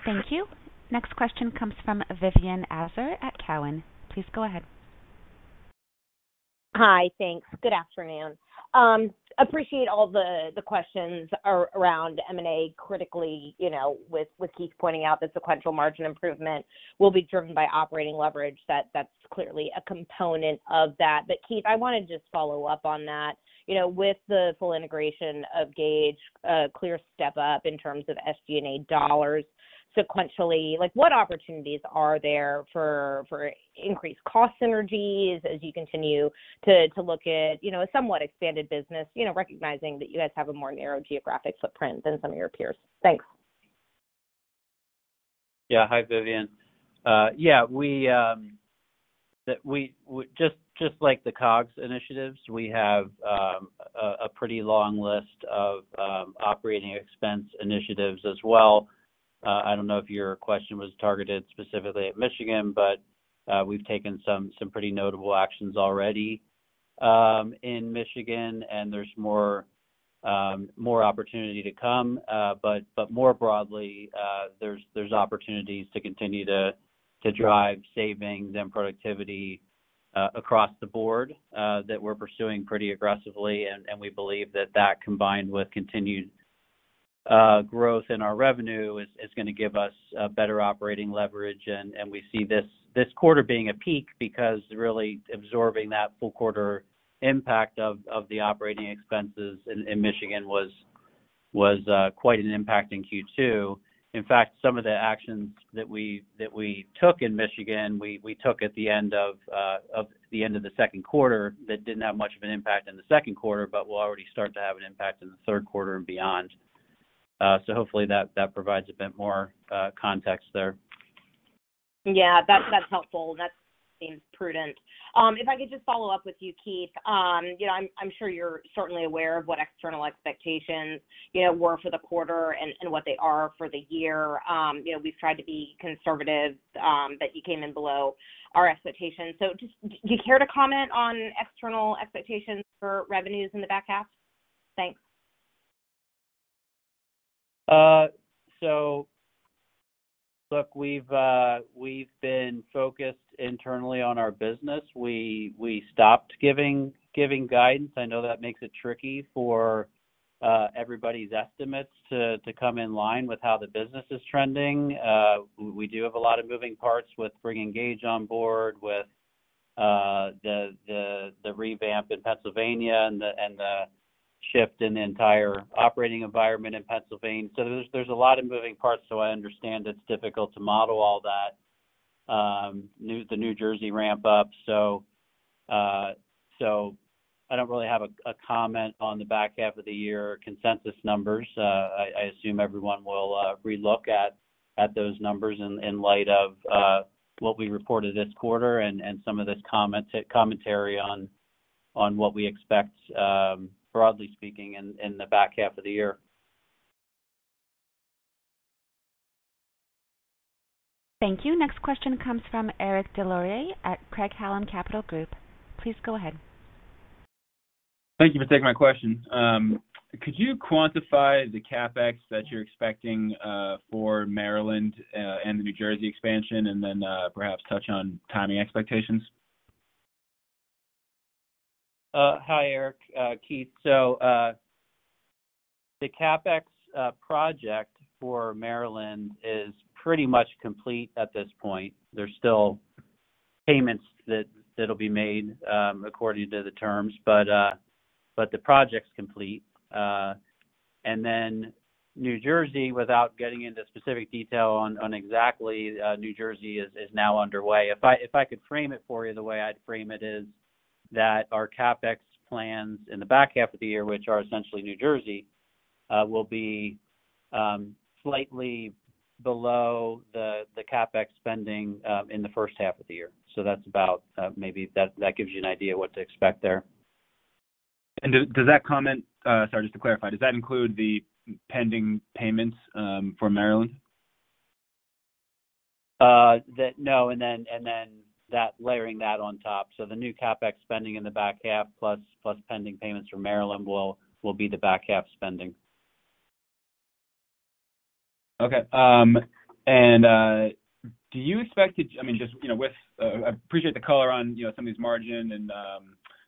Thank you. Next question comes from Vivien Azer at Cowen. Please go ahead. Hi. Thanks. Good afternoon. Appreciate all the questions around M&A critically, you know, with Keith pointing out the sequential margin improvement will be driven by operating leverage. That's clearly a component of that. Keith, I wanna just follow up on that. You know, with the full integration of Gage, a clear step up in terms of SG&A dollars sequentially, like, what opportunities are there for increased cost synergies as you continue to look at, you know, a somewhat expanded business, you know, recognizing that you guys have a more narrow geographic footprint than some of your peers? Thanks. Yeah. Hi, Vivien. Yeah, we just like the COGS initiatives, we have a pretty long list of operating expense initiatives as well. I don't know if your question was targeted specifically at Michigan, but we've taken some pretty notable actions already in Michigan, and there's more opportunity to come. More broadly, there's opportunities to continue to drive savings and productivity across the board that we're pursuing pretty aggressively. We believe that combined with continued growth in our revenue is gonna give us better operating leverage. We see this quarter being a peak because really absorbing that full quarter impact of the operating expenses in Michigan was quite an impact in Q2. In fact, some of the actions that we took in Michigan at the end of the second quarter that didn't have much of an impact in the second quarter, but will already start to have an impact in the third quarter and beyond. Hopefully that provides a bit more context there. Yeah. That's helpful, and that seems prudent. If I could just follow up with you, Keith. You know, I'm sure you're certainly aware of what external expectations, you know, were for the quarter and what they are for the year. You know, we've tried to be conservative, but you came in below our expectations. Just, do you care to comment on external expectations for revenues in the back half? Thanks. Look, we've been focused internally on our business. We stopped giving guidance. I know that makes it tricky for everybody's estimates to come in line with how the business is trending. We do have a lot of moving parts with bringing Gage on board, with the revamp in Pennsylvania and the shift in the entire operating environment in Pennsylvania. There's a lot of moving parts, so I understand it's difficult to model all that. The New Jersey ramp up. I don't really have a comment on the back half of the year consensus numbers. I assume everyone will re-look at those numbers in light of what we reported this quarter and some of this commentary on what we expect, broadly speaking in the back half of the year. Thank you. Next question comes from Eric Des Lauriers at Craig-Hallum Capital Group. Please go ahead. Thank you for taking my question. Could you quantify the CapEx that you're expecting, for Maryland, and the New Jersey expansion? Perhaps touch on timing expectations. Hi, Eric, Keith. The CapEx project for Maryland is pretty much complete at this point. There's still payments that'll be made according to the terms, but the project's complete. New Jersey, without getting into specific detail on exactly New Jersey is now underway. If I could frame it for you, the way I'd frame it is that our CapEx plans in the back half of the year, which are essentially New Jersey, will be slightly below the CapEx spending in the first half of the year. That's about maybe that gives you an idea what to expect there. Sorry, just to clarify, does that include the pending payments from Maryland? Layering that on top. The new CapEx spending in the back half plus pending payments from Maryland will be the back half spending. Okay. I mean, just, you know, with, I appreciate the color on, you know, some of these margin and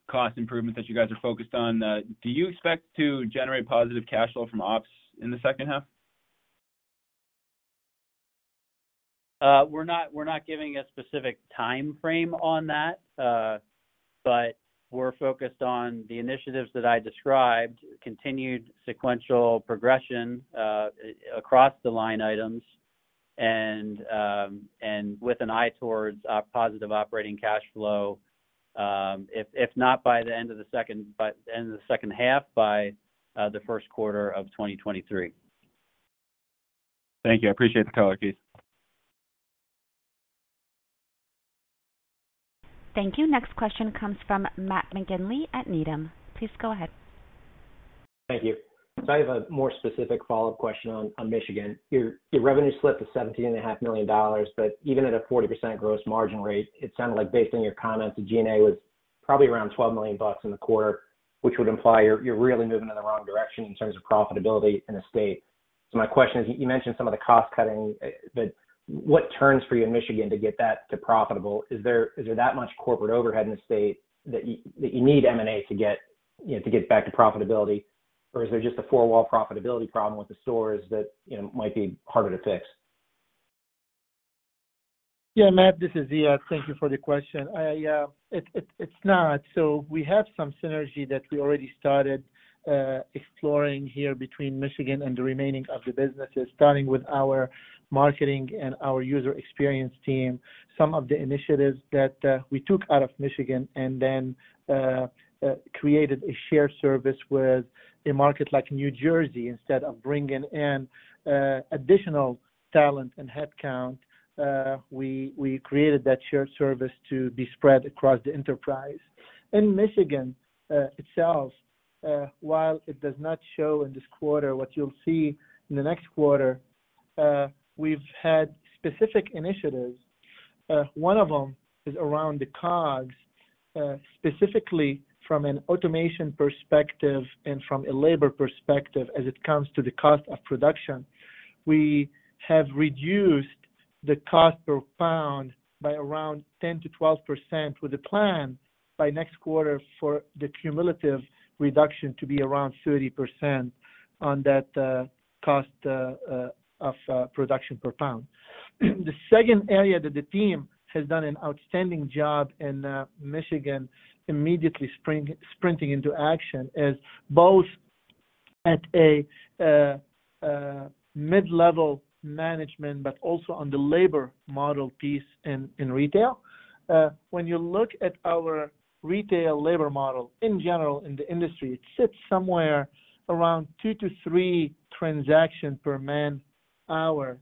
cost improvements that you guys are focused on. Do you expect to generate positive cash flow from ops in the second half? We're not giving a specific timeframe on that, but we're focused on the initiatives that I described, continued sequential progression across the line items and with an eye towards positive operating cash flow, if not by the end of the second half, by the first quarter of 2023. Thank you. I appreciate the color, Keith. Thank you. Next question comes from Matt McGinley at Needham. Please go ahead. Thank you. I have a more specific follow-up question on Michigan. Your revenue slipped to $17.5 million, but even at a 40% gross margin rate, it sounded like based on your comments, the G&A was probably around $12 million in the quarter, which would imply you're really moving in the wrong direction in terms of profitability in the state. My question is, you mentioned some of the cost cutting, but what turns for you in Michigan to get that to profitable? Is there that much corporate overhead in the state that you need M&A to get, you know, to get back to profitability? Or is there just a four-wall profitability problem with the stores that, you know, might be harder to fix? Yeah, Matt, this is Ziad. Thank you for the question. It's not. We have some synergy that we already started exploring here between Michigan and the remaining of the businesses, starting with our marketing and our user experience team. Some of the initiatives that we took out of Michigan and then created a shared service with a market like New Jersey. Instead of bringing in additional talent and headcount, we created that shared service to be spread across the enterprise. In Michigan itself, while it does not show in this quarter, what you'll see in the next quarter, we've had specific initiatives. One of them is around the COGS, specifically from an automation perspective and from a labor perspective, as it comes to the cost of production. We have reduced the cost per pound by around 10%-12% with a plan by next quarter for the cumulative reduction to be around 30% on that cost of production per pound. The second area that the team has done an outstanding job in Michigan immediately sprinting into action is both at a mid-level management, but also on the labor model piece in retail. When you look at our retail labor model in general in the industry, it sits somewhere around two to three transactions per man-hour.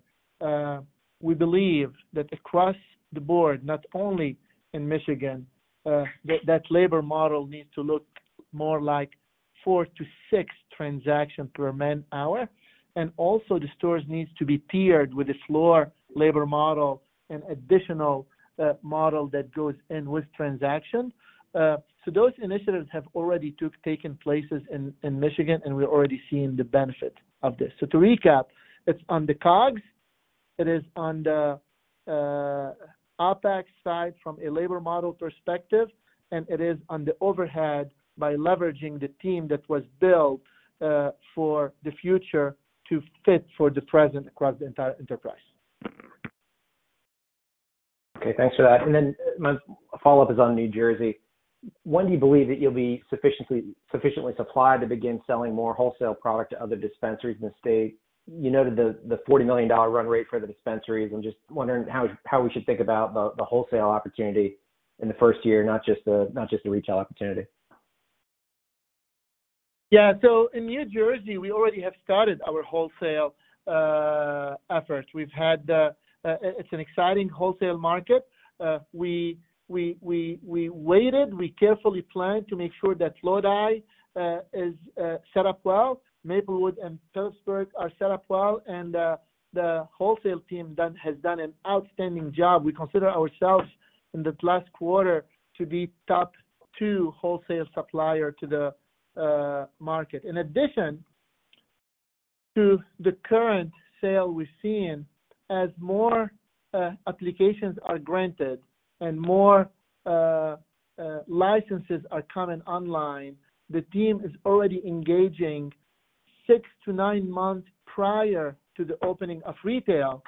We believe that across the board, not only in Michigan, that labor model needs to look more like four to six transactions per man-hour. Also the stores needs to be tiered with a slower labor model and additional model that goes in with transaction. Those initiatives have already taken place in Michigan, and we're already seeing the benefit of this. To recap, it's on the COGS, it is on the OpEx side from a labor model perspective, and it is on the overhead by leveraging the team that was built for the future to fit for the present across the entire enterprise. Okay, thanks for that. Then my follow-up is on New Jersey. When do you believe that you'll be sufficiently supplied to begin selling more wholesale product to other dispensaries in the state? You noted the $40 million run rate for the dispensaries. I'm just wondering how we should think about the wholesale opportunity in the first year, not just the retail opportunity. Yeah. In New Jersey, we already have started our wholesale efforts. It's an exciting wholesale market. We waited, we carefully planned to make sure that Lodi is set up well, Maplewood and Phillipsburg are set up well, and the wholesale team has done an outstanding job. We consider ourselves in the last quarter to be top two wholesale supplier to the market. In addition to the current sale we're seeing, as more applications are granted and more licenses are coming online, the team is already engaging six to nine months prior to the opening of retail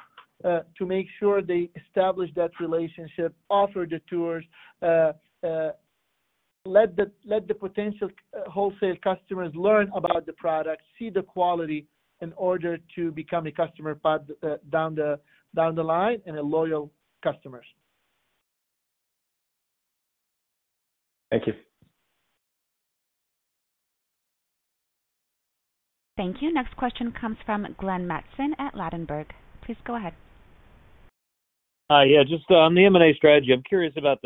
to make sure they establish that relationship, offer the tours, let the potential wholesale customers learn about the product, see the quality in order to become a customer down the line and a loyal customers. Thank you. Thank you. Next question comes from Glenn Mattson at Ladenburg Thalmann. Please go ahead. Just on the M&A strategy, I'm curious about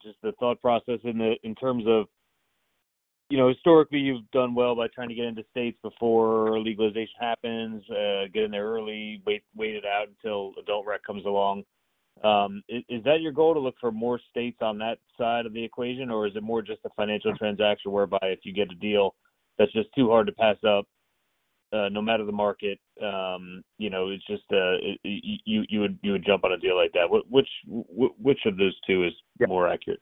just the thought process in terms of, you know, historically you've done well by trying to get into states before legalization happens, get in there early, wait it out until adult rec comes along. Is that your goal to look for more states on that side of the equation, or is it more just a financial transaction whereby if you get a deal that's just too hard to pass up, no matter the market, you know, it's just you would jump on a deal like that? Which of those two is more accurate?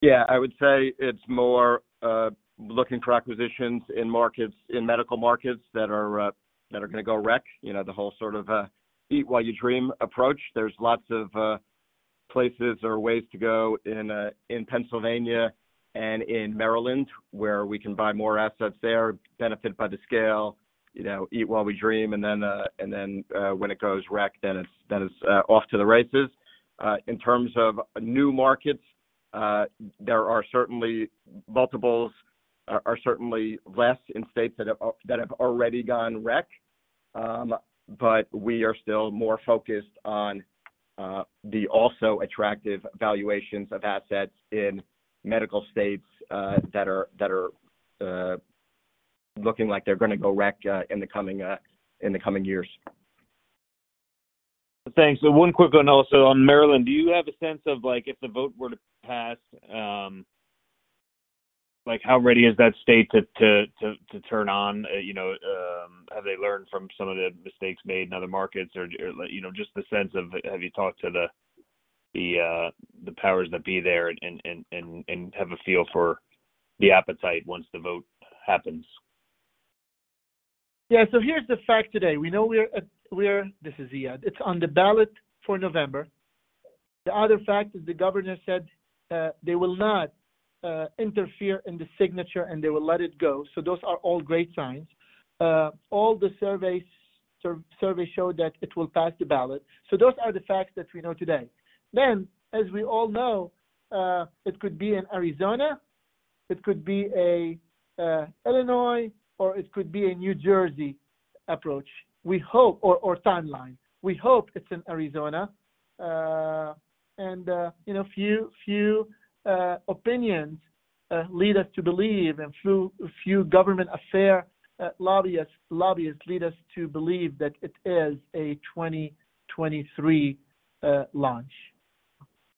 Yeah, I would say it's more looking for acquisitions in markets, in medical markets that are gonna go rec, you know, the whole sort of eat while you dream approach. There's lots of places or ways to go in Pennsylvania and in Maryland, where we can buy more assets there, benefit by the scale, you know, eat while we dream, and then when it goes rec, then it's off to the races. In terms of new markets, there are certainly multiples are certainly less in states that have already gone rec. We are still more focused on the also attractive valuations of assets in medical states that are looking like they're gonna go rec in the coming years. Thanks. One quick one also. On Maryland, do you have a sense of, like, if the vote were to pass, like how ready is that state to turn on? You know, have they learned from some of the mistakes made in other markets or, you know, just the sense of have you talked to the powers that be there and have a feel for the appetite once the vote happens? Here's the fact today. We know. This is Ziad. It's on the ballot for November. The other fact is the governor said they will not interfere in the signature, and they will let it go. Those are all great signs. All the surveys show that it will pass the ballot. Those are the facts that we know today. As we all know, it could be an Arizona, it could be a Illinois, or it could be a New Jersey approach. We hope it's an Arizona, and you know, few opinions lead us to believe and few government affair lobbyists lead us to believe that it is a 2023 launch.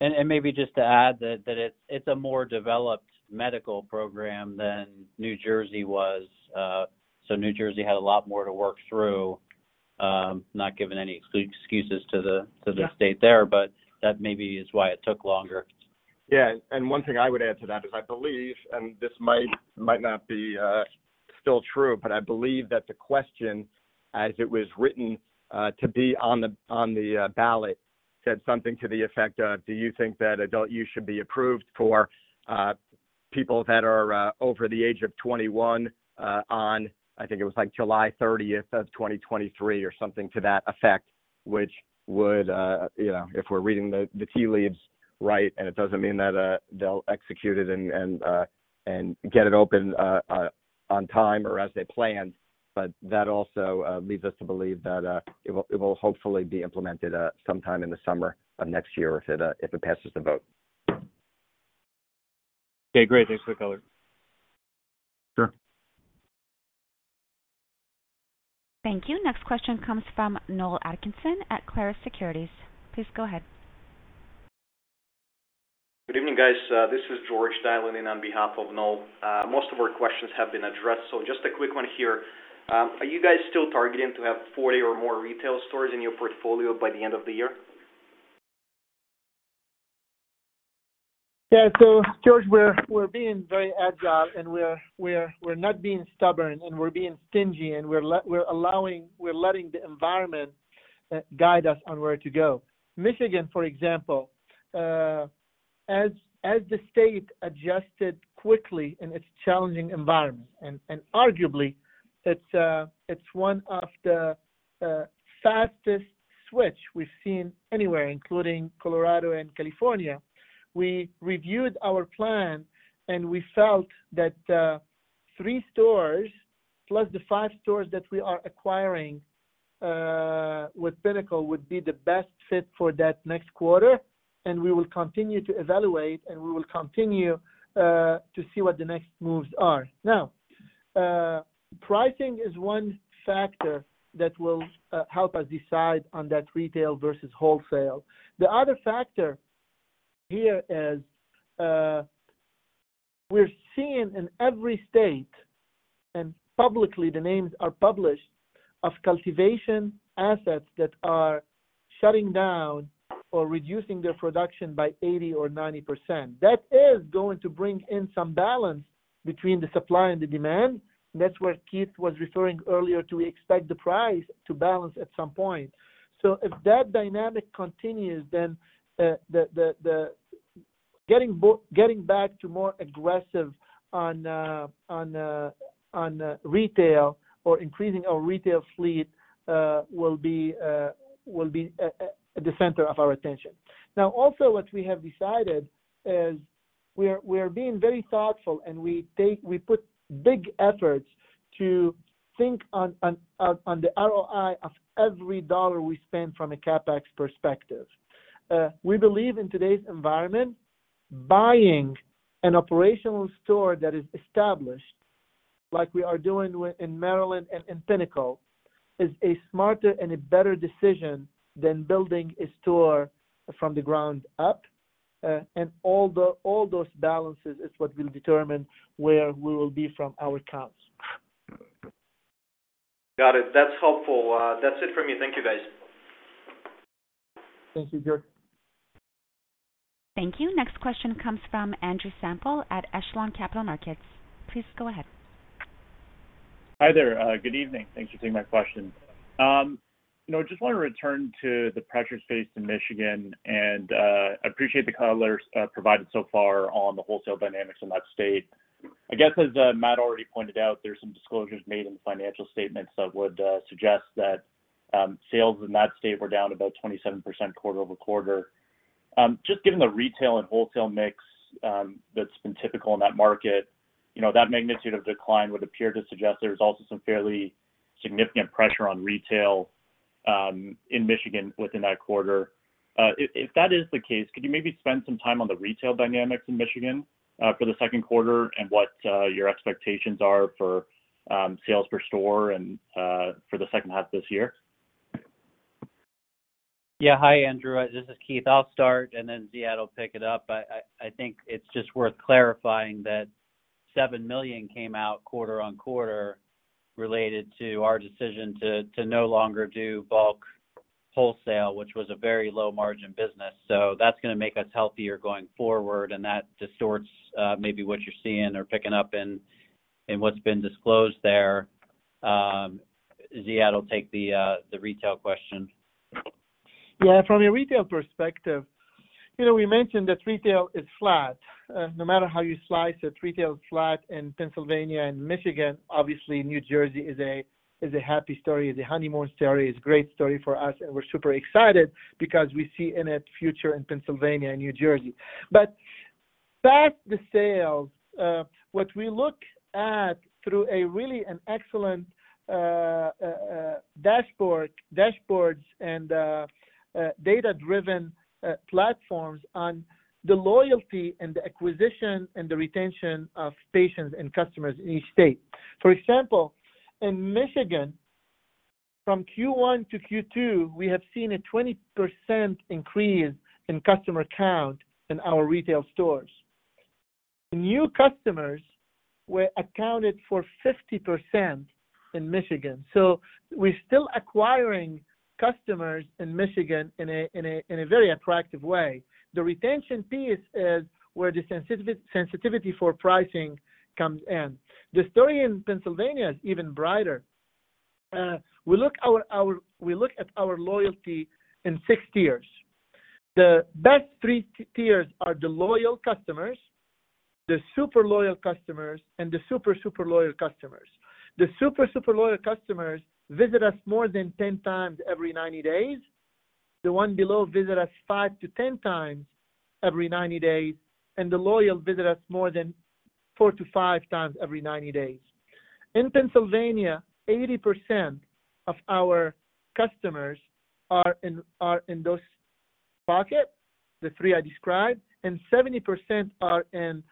Maybe just to add that it's a more developed medical program than New Jersey was. New Jersey had a lot more to work through, not giving any excuses. Yeah. Stayed there, but that may be why it took longer. One thing I would add to that is I believe, and this might not be still true, but I believe that the question as it was written to be on the ballot said something to the effect of, do you think that adult use should be approved for people that are over the age of 21, on I think it was like July 30th of 2023 or something to that effect, which would, you know, if we're reading the tea leaves right, and it doesn't mean that they'll execute it and get it open on time or as they planned. That also leads us to believe that it will hopefully be implemented sometime in the summer of next year if it passes the vote. Okay, great. Thanks for the color. Sure. Thank you. Next question comes from Noel Atkinson at Clarus Securities. Please go ahead. Good evening, guys. This is George dialing in on behalf of Noel. Most of our questions have been addressed. Just a quick one here. Are you guys still targeting to have 40 or more retail stores in your portfolio by the end of the year? George, we're being very agile, and we're not being stubborn, and we're being stingy, and we're letting the environment guide us on where to go. Michigan, for example, as the state adjusted quickly in its challenging environment, and arguably it's one of the fastest switch we've seen anywhere, including Colorado and California. We reviewed our plan, and we felt that 3 stores plus the 5 stores that we are acquiring with Pinnacle would be the best fit for that next quarter, and we will continue to evaluate, and we will continue to see what the next moves are. Now, pricing is one factor that will help us decide on that retail versus wholesale. The other factor here is, we're seeing in every state, and publicly, the names are published, of cultivation assets that are shutting down or reducing their production by 80% or 90%. That is going to bring in some balance between the supply and the demand. That's where Keith was referring earlier to expect the price to balance at some point. If that dynamic continues, then getting back to more aggressive on retail or increasing our retail fleet will be at the center of our attention. Now, also what we have decided is we're being very thoughtful, and we put big efforts to think on the ROI of every dollar we spend from a CapEx perspective. We believe in today's environment, buying an operational store that is established, like we are doing within Maryland and in Pinnacle, is a smarter and a better decision than building a store from the ground up. All those balances is what will determine where we will be from our counts. Got it. That's helpful. That's it for me. Thank you, guys. Thank you, George. Thank you. Next question comes from Andrew Semple at Echelon Capital Markets. Please go ahead. Hi there. Good evening. Thanks for taking my question. You know, just want to return to the pressures faced in Michigan, and I appreciate the color provided so far on the wholesale dynamics in that state. I guess, as Matt already pointed out, there's some disclosures made in the financial statements that would suggest that sales in that state were down about 27% quarter-over-quarter. Just given the retail and wholesale mix, that's been typical in that market, you know, that magnitude of decline would appear to suggest there's also some fairly significant pressure on retail, in Michigan within that quarter. If that is the case, could you maybe spend some time on the retail dynamics in Michigan, for the second quarter and what your expectations are for, sales per store and, for the second half of this year? Yeah. Hi, Andrew. This is Keith. I'll start, and then Ziad will pick it up. I think it's just worth clarifying that $7 million came out quarter-over-quarter related to our decision to no longer do bulk wholesale, which was a very low margin business. That's gonna make us healthier going forward, and that distorts maybe what you're seeing or picking up in what's been disclosed there. Ziad will take the retail question. Yeah. From a retail perspective, you know, we mentioned that retail is flat. No matter how you slice it, retail is flat in Pennsylvania and Michigan. Obviously, New Jersey is a happy story, a honeymoon story. It's a great story for us, and we're super excited because we see a future in it in Pennsylvania and New Jersey. Past the sales, what we look at through really excellent dashboards and data-driven platforms on the loyalty and the acquisition and the retention of patients and customers in each state. For example, in Michigan, from Q1-Q2, we have seen a 20% increase in customer count in our retail stores. New customers were accounted for 50% in Michigan. So we're still acquiring customers in Michigan in a very attractive way. The retention piece is where the sensitivity for pricing comes in. The story in Pennsylvania is even brighter. We look at our loyalty in six tiers. The best three tiers are the loyal customers, the super loyal customers, and the super loyal customers. The super loyal customers visit us more than 10 times every 90 days. The one below visit us five to 10 times every 90 days, and the loyal visit us more than four to five times every 90 days. In Pennsylvania, 80% of our customers are in those pockets, the three I described, and 70% are in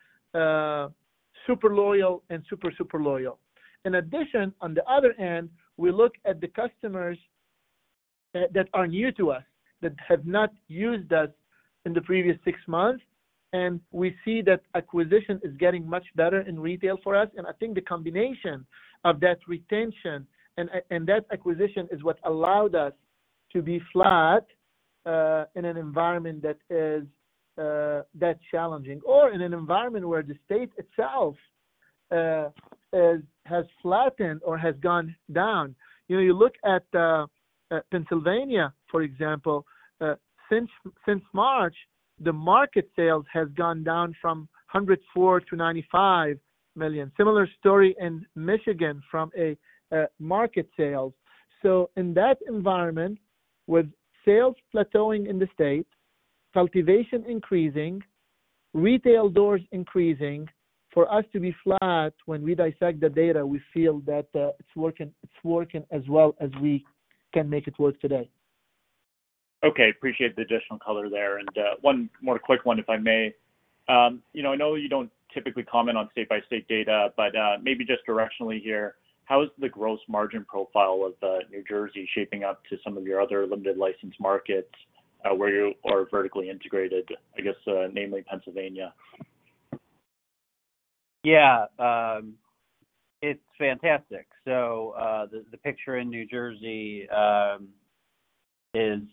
super loyal and super loyal. In addition, on the other hand, we look at the customers that are new to us, that have not used us in the previous six months, and we see that acquisition is getting much better in retail for us. I think the combination of that retention and that acquisition is what allowed us to be flat in an environment that is that challenging or in an environment where the state itself is, has flattened or has gone down. You know, you look at Pennsylvania, for example, since March, the market sales has gone down from $104 million-$95 million. Similar story in Michigan from market sales. In that environment, with sales plateauing in the state, cultivation increasing, retail doors increasing, for us to be flat when we dissect the data, we feel that it's working as well as we can make it work today. Okay. Appreciate the additional color there. One more quick one, if I may. You know, I know you don't typically comment on state-by-state data, but maybe just directionally here, how is the gross margin profile of New Jersey shaping up to some of your other limited license markets, where you are vertically integrated, I guess, namely Pennsylvania? Yeah. It's fantastic. The picture in New Jersey is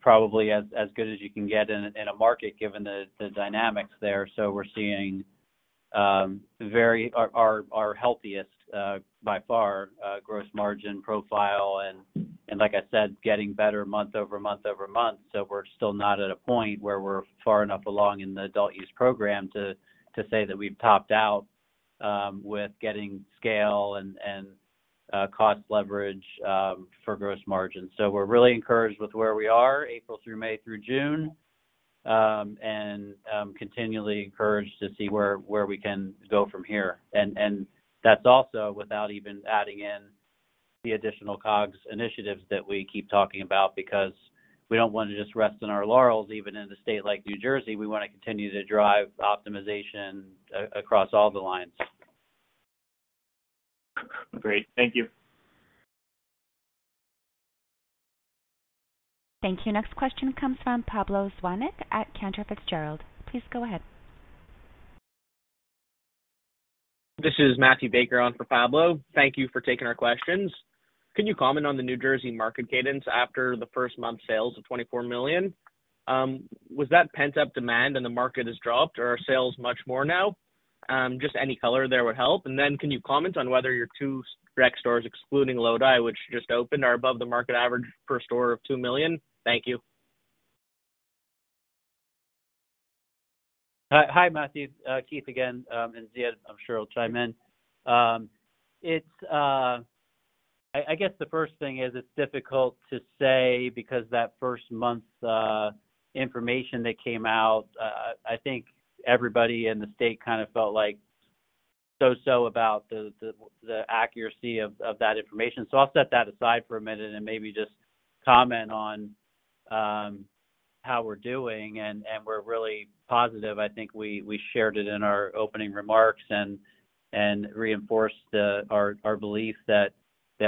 probably as good as you can get in a market given the dynamics there. We're seeing our healthiest by far gross margin profile and like I said, getting better month-over-month. We're still not at a point where we're far enough along in the adult use program to say that we've topped out with getting scale and cost leverage for gross margins. We're really encouraged with where we are, April through May through June, and continually encouraged to see where we can go from here. That's also without even adding in the additional COGS initiatives that we keep talking about because we don't want to just rest on our laurels even in a state like New Jersey. We wanna continue to drive optimization across all the lines. Great. Thank you. Thank you. Next question comes from Pablo Zuanic at Cantor Fitzgerald. Please go ahead. This is Matthew Baker on for Pablo Zuanic. Thank you for taking our questions. Can you comment on the New Jersey market cadence after the first month sales of $24 million? Was that pent-up demand and the market has dropped or are sales much more now? Just any color there would help. Can you comment on whether your two rec stores excluding Lodi, which just opened, are above the market average per store of $2 million? Thank you. Hi, Matthew. Keith again, and Ziad, I'm sure, will chime in. It's difficult to say because that first month's information that came out. I think everybody in the state kind of felt like so-so about the accuracy of that information. I'll set that aside for a minute and maybe just comment on how we're doing, and we're really positive. I think we shared it in our opening remarks and reinforced our belief that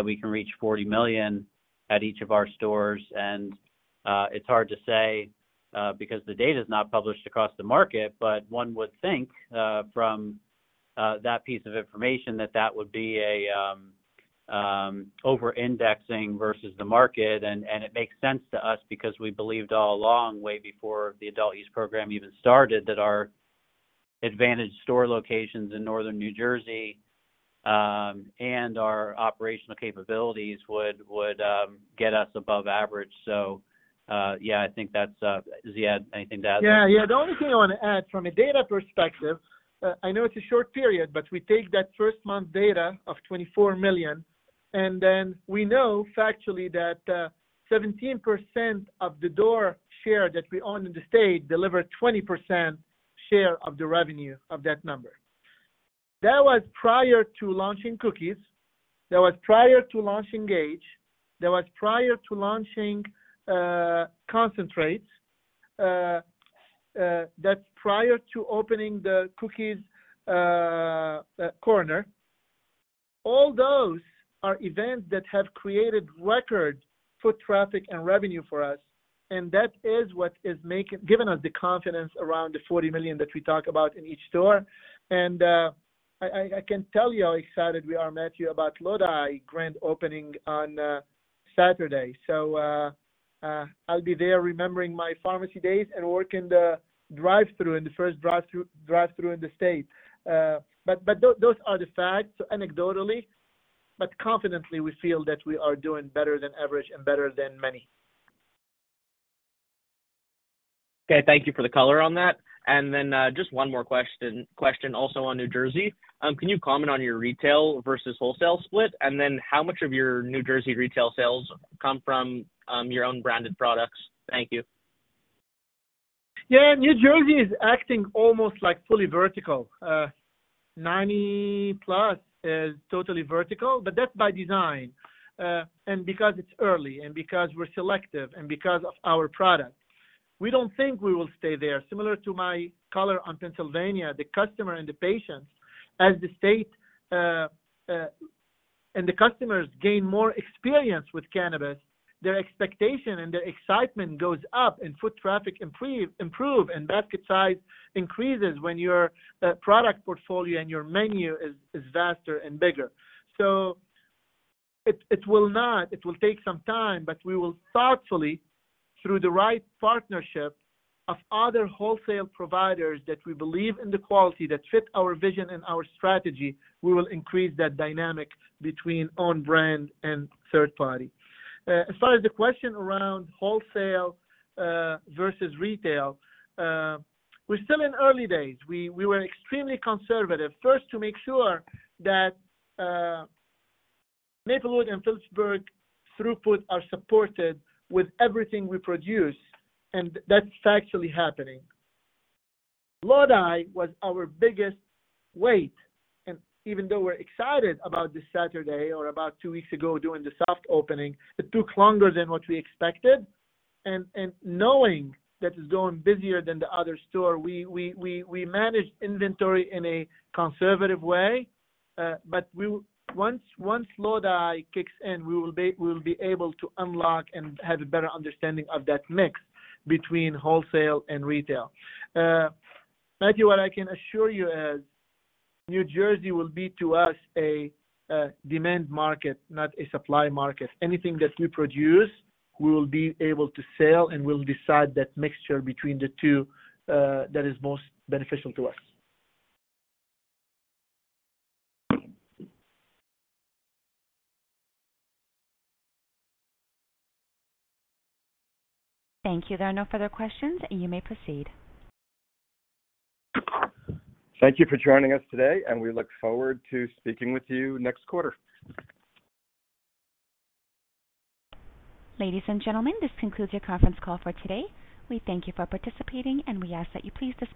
we can reach $40 million at each of our stores. It's hard to say because the data is not published across the market, but one would think from that piece of information that would be over-indexing versus the market. It makes sense to us because we believed all along way before the adult-use program even started that our advantage store locations in Northern New Jersey and our operational capabilities would get us above average. Yeah, I think that's it. Ziad, anything to add? Yeah, yeah. The only thing I wanna add from a data perspective, I know it's a short period, but we take that first-month data of $24 million, and then we know factually that 17% of the door share that we own in the state deliver 20% share of the revenue of that number. That was prior to launching Cookies, that was prior to launching Gage, that was prior to launching concentrates. That's prior to opening the Cookies Corner. All those are events that have created record foot traffic and revenue for us, and that is what is making giving us the confidence around the $40 million that we talk about in each store. I can tell you how excited we are, Matthew, about Lodi grand opening on Saturday. I'll be there remembering my pharmacy days and working the drive-thru in the first drive-thru in the state. Those are the facts anecdotally, but confidently, we feel that we are doing better than average and better than many. Okay. Thank you for the color on that. Just one more question, also on New Jersey. Can you comment on your retail versus wholesale split? How much of your New Jersey retail sales come from your own branded products? Thank you. Yeah. New Jersey is acting almost like fully vertical. 90+ is totally vertical, but that's by design, and because it's early and because we're selective and because of our product. We don't think we will stay there. Similar to my color on Pennsylvania, the customer and the patients, as the state and the customers gain more experience with cannabis, their expectation and their excitement goes up and foot traffic improves and basket size increases when your product portfolio and your menu is vaster and bigger. It will not. It will take some time, but we will thoughtfully, through the right partnership of other wholesale providers that we believe in the quality that fit our vision and our strategy, we will increase that dynamic between own brand and third party. As far as the question around wholesale versus retail, we're still in early days. We were extremely conservative, first to make sure that Maplewood and Phillipsburg throughput are supported with everything we produce, and that's factually happening. Lodi was our biggest wait. Even though we're excited about this Saturday or about two weeks ago during the soft opening, it took longer than what we expected. Knowing that it's doing busier than the other store, we managed inventory in a conservative way. Once Lodi kicks in, we will be able to unlock and have a better understanding of that mix between wholesale and retail. Matthew, what I can assure you is New Jersey will be to us a demand market, not a supply market. Anything that we produce, we will be able to sell and we'll decide that mixture between the two, that is most beneficial to us. Thank you. There are no further questions. You may proceed. Thank you for joining us today, and we look forward to speaking with you next quarter. Ladies and gentlemen, this concludes your conference call for today. We thank you for participating, and we ask that you please disconnect.